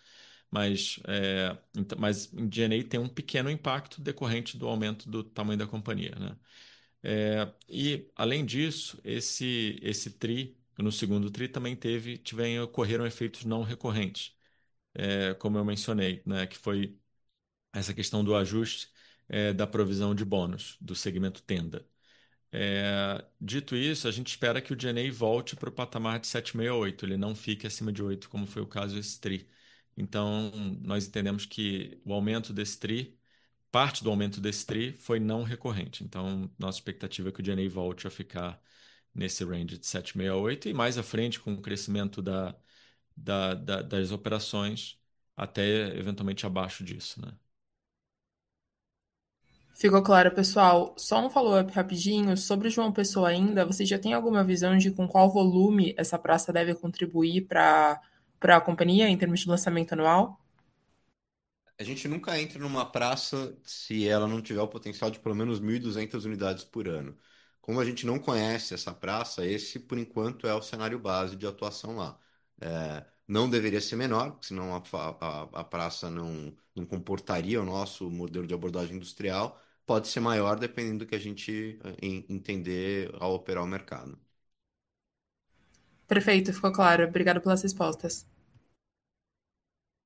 em G&A tem um pequeno impacto decorrente do aumento do tamanho da companhia, né. E além disso, esse tri, no segundo tri também ocorreram efeitos não recorrentes, como eu mencionei, né, que foi essa questão do ajuste, da provisão de bônus do segmento Tenda. Dito isso, a gente espera que o G&A volte pro patamar de 7.6%-8%, ele não fique acima de 8%, como foi o caso esse tri. Nós entendemos que o aumento desse tri, parte do aumento desse tri, foi não recorrente. Nossa expectativa é que o G&A volte a ficar nesse range de 7.6%-8% e mais à frente, com o crescimento das operações, até eventualmente abaixo disso, né. Ficou claro, pessoal. Só um follow-up rapidinho. Sobre João Pessoa ainda, você já tem alguma visão de com qual volume essa praça deve contribuir pra companhia em termos de lançamento anual? A gente nunca entra numa praça se ela não tiver o potencial de pelo menos 1200 unidades por ano. Como a gente não conhece essa praça, esse por enquanto é o cenário base de atuação lá. Não deveria ser menor, porque senão a praça não comportaria o nosso modelo de abordagem industrial. Pode ser maior, dependendo do que a gente entender ao operar o mercado. Perfeito, ficou claro. Obrigada pelas respostas.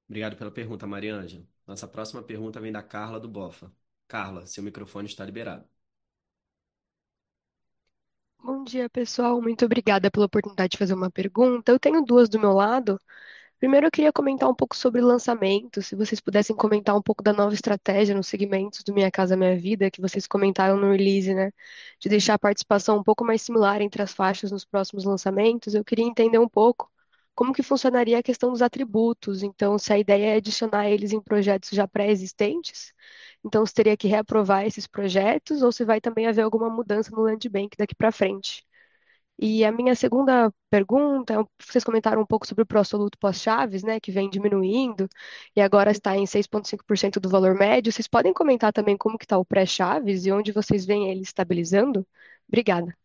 Obrigado pela pergunta, Mariângela. Nossa próxima pergunta vem da Carla, do BofA. Carla, seu microfone está liberado. Bom dia, pessoal. Muito obrigada pela oportunidade de fazer uma pergunta. Eu tenho duas do meu lado. Primeiro, eu queria comentar um pouco sobre lançamento. Se vocês pudessem comentar um pouco da nova estratégia nos segmentos do Minha Casa, Minha Vida, que vocês comentaram no release, né, de deixar a participação um pouco mais similar entre as faixas nos próximos lançamentos. Eu queria entender um pouco como que funcionaria a questão dos atributos. Então, se a ideia é adicionar eles em projetos já pré-existentes, então você teria que reaprovar esses projetos ou se vai também haver alguma mudança no land bank daqui pra frente. E a minha segunda pergunta, vocês comentaram um pouco sobre o pró-soluto pós-chaves, né, que vem diminuindo e agora está em 6.5% do valor médio. Vocês podem comentar também como que tá o pré-chaves e onde vocês veem ele estabilizando? Obrigada.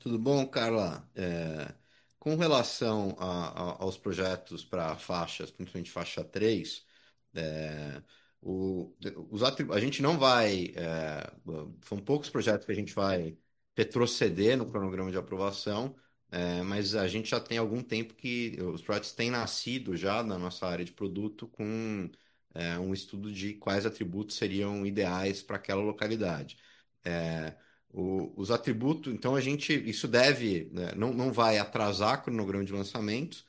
Tudo bom, Carla? Com relação aos projetos para faixas, principalmente faixa 3, os atributos, a gente não vai, são poucos projetos que a gente vai retroceder no cronograma de aprovação, mas a gente já tem algum tempo que os projetos têm nascido já na nossa área de produto com um estudo de quais atributos seriam ideais para aquela localidade. Os atributos, então isso deve, né, não vai atrasar o cronograma de lançamentos,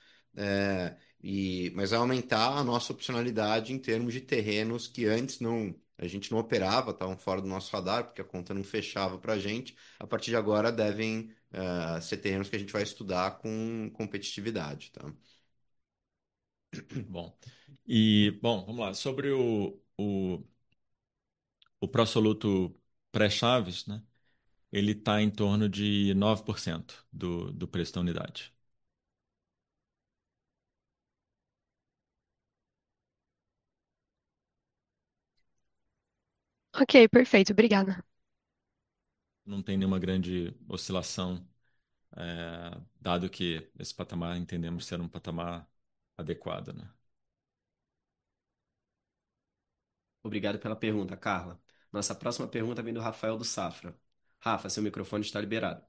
mas vai aumentar a nossa opcionalidade em termos de terrenos que antes a gente não operava, tavam fora do nosso radar, porque a conta não fechava para a gente. A partir de agora devem ser terrenos que a gente vai estudar com competitividade, tá? Bom. É bom, vamos lá. Sobre o pró-soluto pré-chaves, né, ele tá em torno de 9% do preço da unidade. Ok, perfeito. Obrigada. Não tem nenhuma grande oscilação, dado que esse patamar entendemos ser um patamar adequado, né? Obrigado pela pergunta, Carla. Nossa próxima pergunta vem do Rafael, do Safra. Rafa, seu microfone está liberado.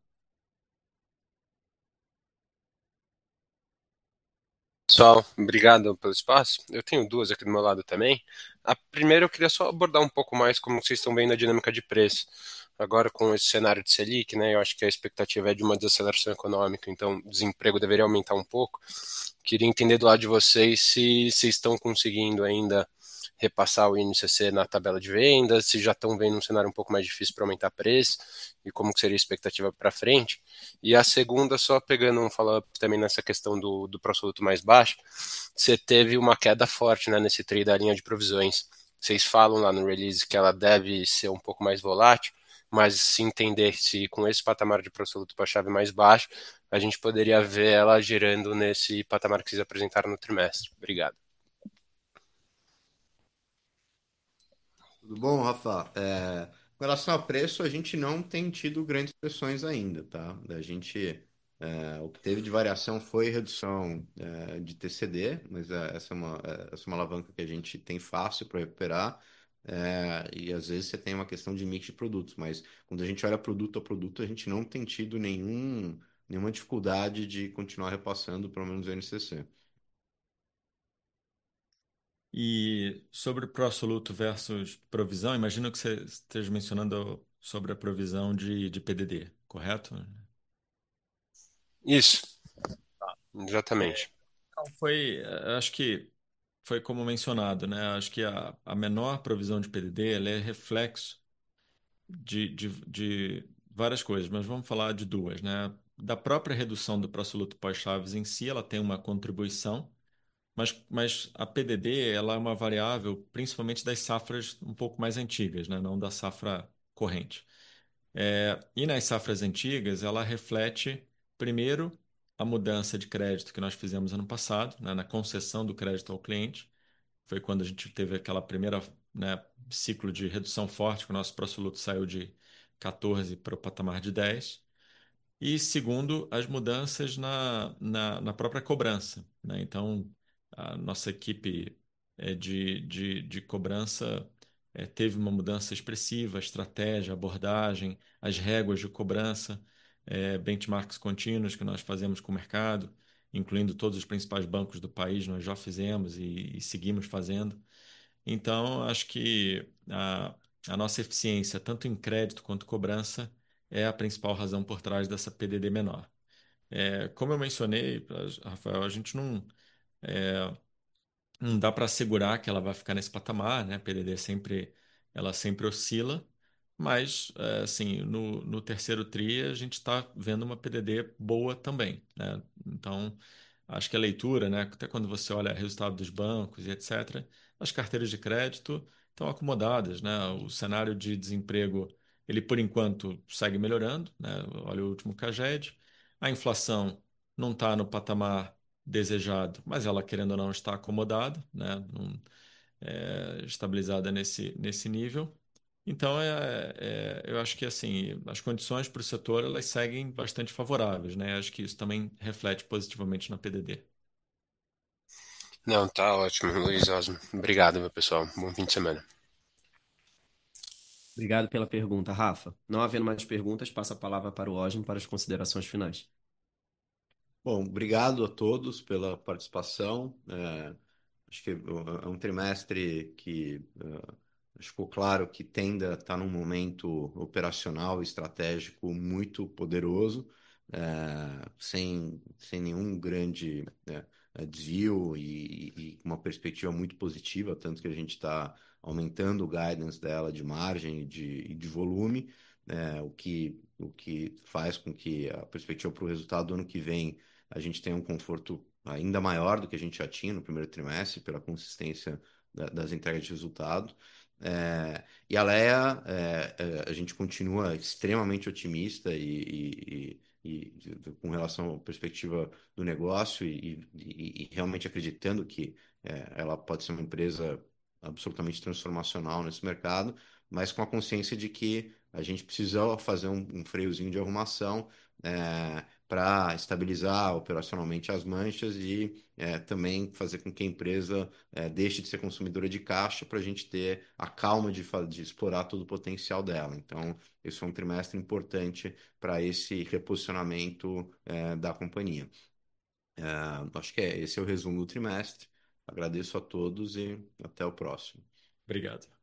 Pessoal, obrigado pelo espaço. Eu tenho duas aqui do meu lado também. A primeira eu queria só abordar um pouco mais como vocês tão vendo a dinâmica de preço. Agora com esse cenário de Selic, né, eu acho que a expectativa é de uma desaceleração econômica, então o desemprego deveria aumentar um pouco. Queria entender do lado de vocês se estão conseguindo ainda repassar o INCC na tabela de vendas, se já tão vendo um cenário um pouco mais difícil pra aumentar preço e como que seria a expectativa pra frente. A segunda, só pegando um follow-up também nessa questão do pró-soluto mais baixo, cê teve uma queda forte, né, nesse tri da linha de provisões. Cês falam lá no release que ela deve ser um pouco mais volátil, mas se entende-se com esse patamar de pró-soluto pós-Selic mais baixo, a gente poderia ver ela girando nesse patamar que cês apresentaram no trimestre. Obrigado. Tudo bom, Rafa? Com relação a preço, a gente não tem tido grandes pressões ainda, tá? A gente, o que teve de variação foi redução de TCD, mas essa é uma alavanca que a gente tem fácil pra recuperar, e às vezes cê tem uma questão de mix de produtos, mas quando a gente olha produto a produto, a gente não tem tido nenhuma dificuldade de continuar repassando pelo menos o INCC. Sobre o pró-soluto versus provisão, imagino que cê esteja mencionando sobre a provisão de PDD, correto? Isso, exatamente. Não, foi, acho que foi como mencionado, né? Acho que a menor provisão de PDD, ela é reflexo de várias coisas, mas vamos falar de duas, né? Da própria redução do pró-soluto pós-chaves em si, ela tem uma contribuição, mas a PDD, ela é uma variável principalmente das safras um pouco mais antigas, né? Não da safra corrente. E nas safras antigas, ela reflete primeiro a mudança de crédito que nós fizemos ano passado, né, na concessão do crédito ao cliente. Foi quando a gente teve aquela primeira, né, ciclo de redução forte, que o nosso pró-soluto saiu de 14 pro patamar de 10. E segundo, as mudanças na própria cobrança, né? A nossa equipe de cobrança teve uma mudança expressiva, a estratégia, abordagem, as réguas de cobrança, benchmarks contínuos que nós fazemos com o mercado, incluindo todos os principais bancos do país, nós já fizemos e seguimos fazendo. Acho que a nossa eficiência, tanto em crédito quanto cobrança, é a principal razão por trás dessa PDD menor. Como eu mencionei, Rafael, a gente não dá pra assegurar que ela vai ficar nesse patamar, né? A PDD sempre, ela sempre oscila, mas, assim, no terceiro tri a gente tá vendo uma PDD boa também, né? Acho que a leitura, até quando você olha resultado dos bancos e etc, as carteiras de crédito tão acomodadas, né? Olha o último CAGED. A inflação não tá no patamar desejado, mas ela querendo ou não está acomodada, né? É estabilizada nesse nível. Então, eu acho que assim, as condições pro setor elas seguem bastante favoráveis, né? Acho que isso também reflete positivamente na PDD. Não, tá ótimo, Luiz, Osmo. Obrigado, meu pessoal. Bom fim de semana. Obrigado pela pergunta, Rafa. Não havendo mais perguntas, passo a palavra para o Osmo para as considerações finais. Bom, obrigado a todos pela participação. Acho que é um trimestre que acho que ficou claro que Tenda tá num momento operacional e estratégico muito poderoso, sem nenhum grande, né, desvio e uma perspectiva muito positiva, tanto que a gente tá aumentando o guidance dela de margem e de volume, né, o que faz com que a perspectiva pro resultado do ano que vem a gente tenha um conforto ainda maior do que a gente já tinha no primeiro trimestre, pela consistência das entregas de resultado. A gente continua extremamente otimista com relação à perspectiva do negócio realmente acreditando que ela pode ser uma empresa absolutamente transformacional nesse mercado, mas com a consciência de que a gente precisou fazer um freiozinho de arrumação pra estabilizar operacionalmente as margens e também fazer com que a empresa deixe de ser consumidora de caixa pra gente ter a calma de explorar todo o potencial dela. Esse é um trimestre importante pra esse reposicionamento da companhia. Acho que é esse o resumo do trimestre. Agradeço a todos e até o próximo. Obrigado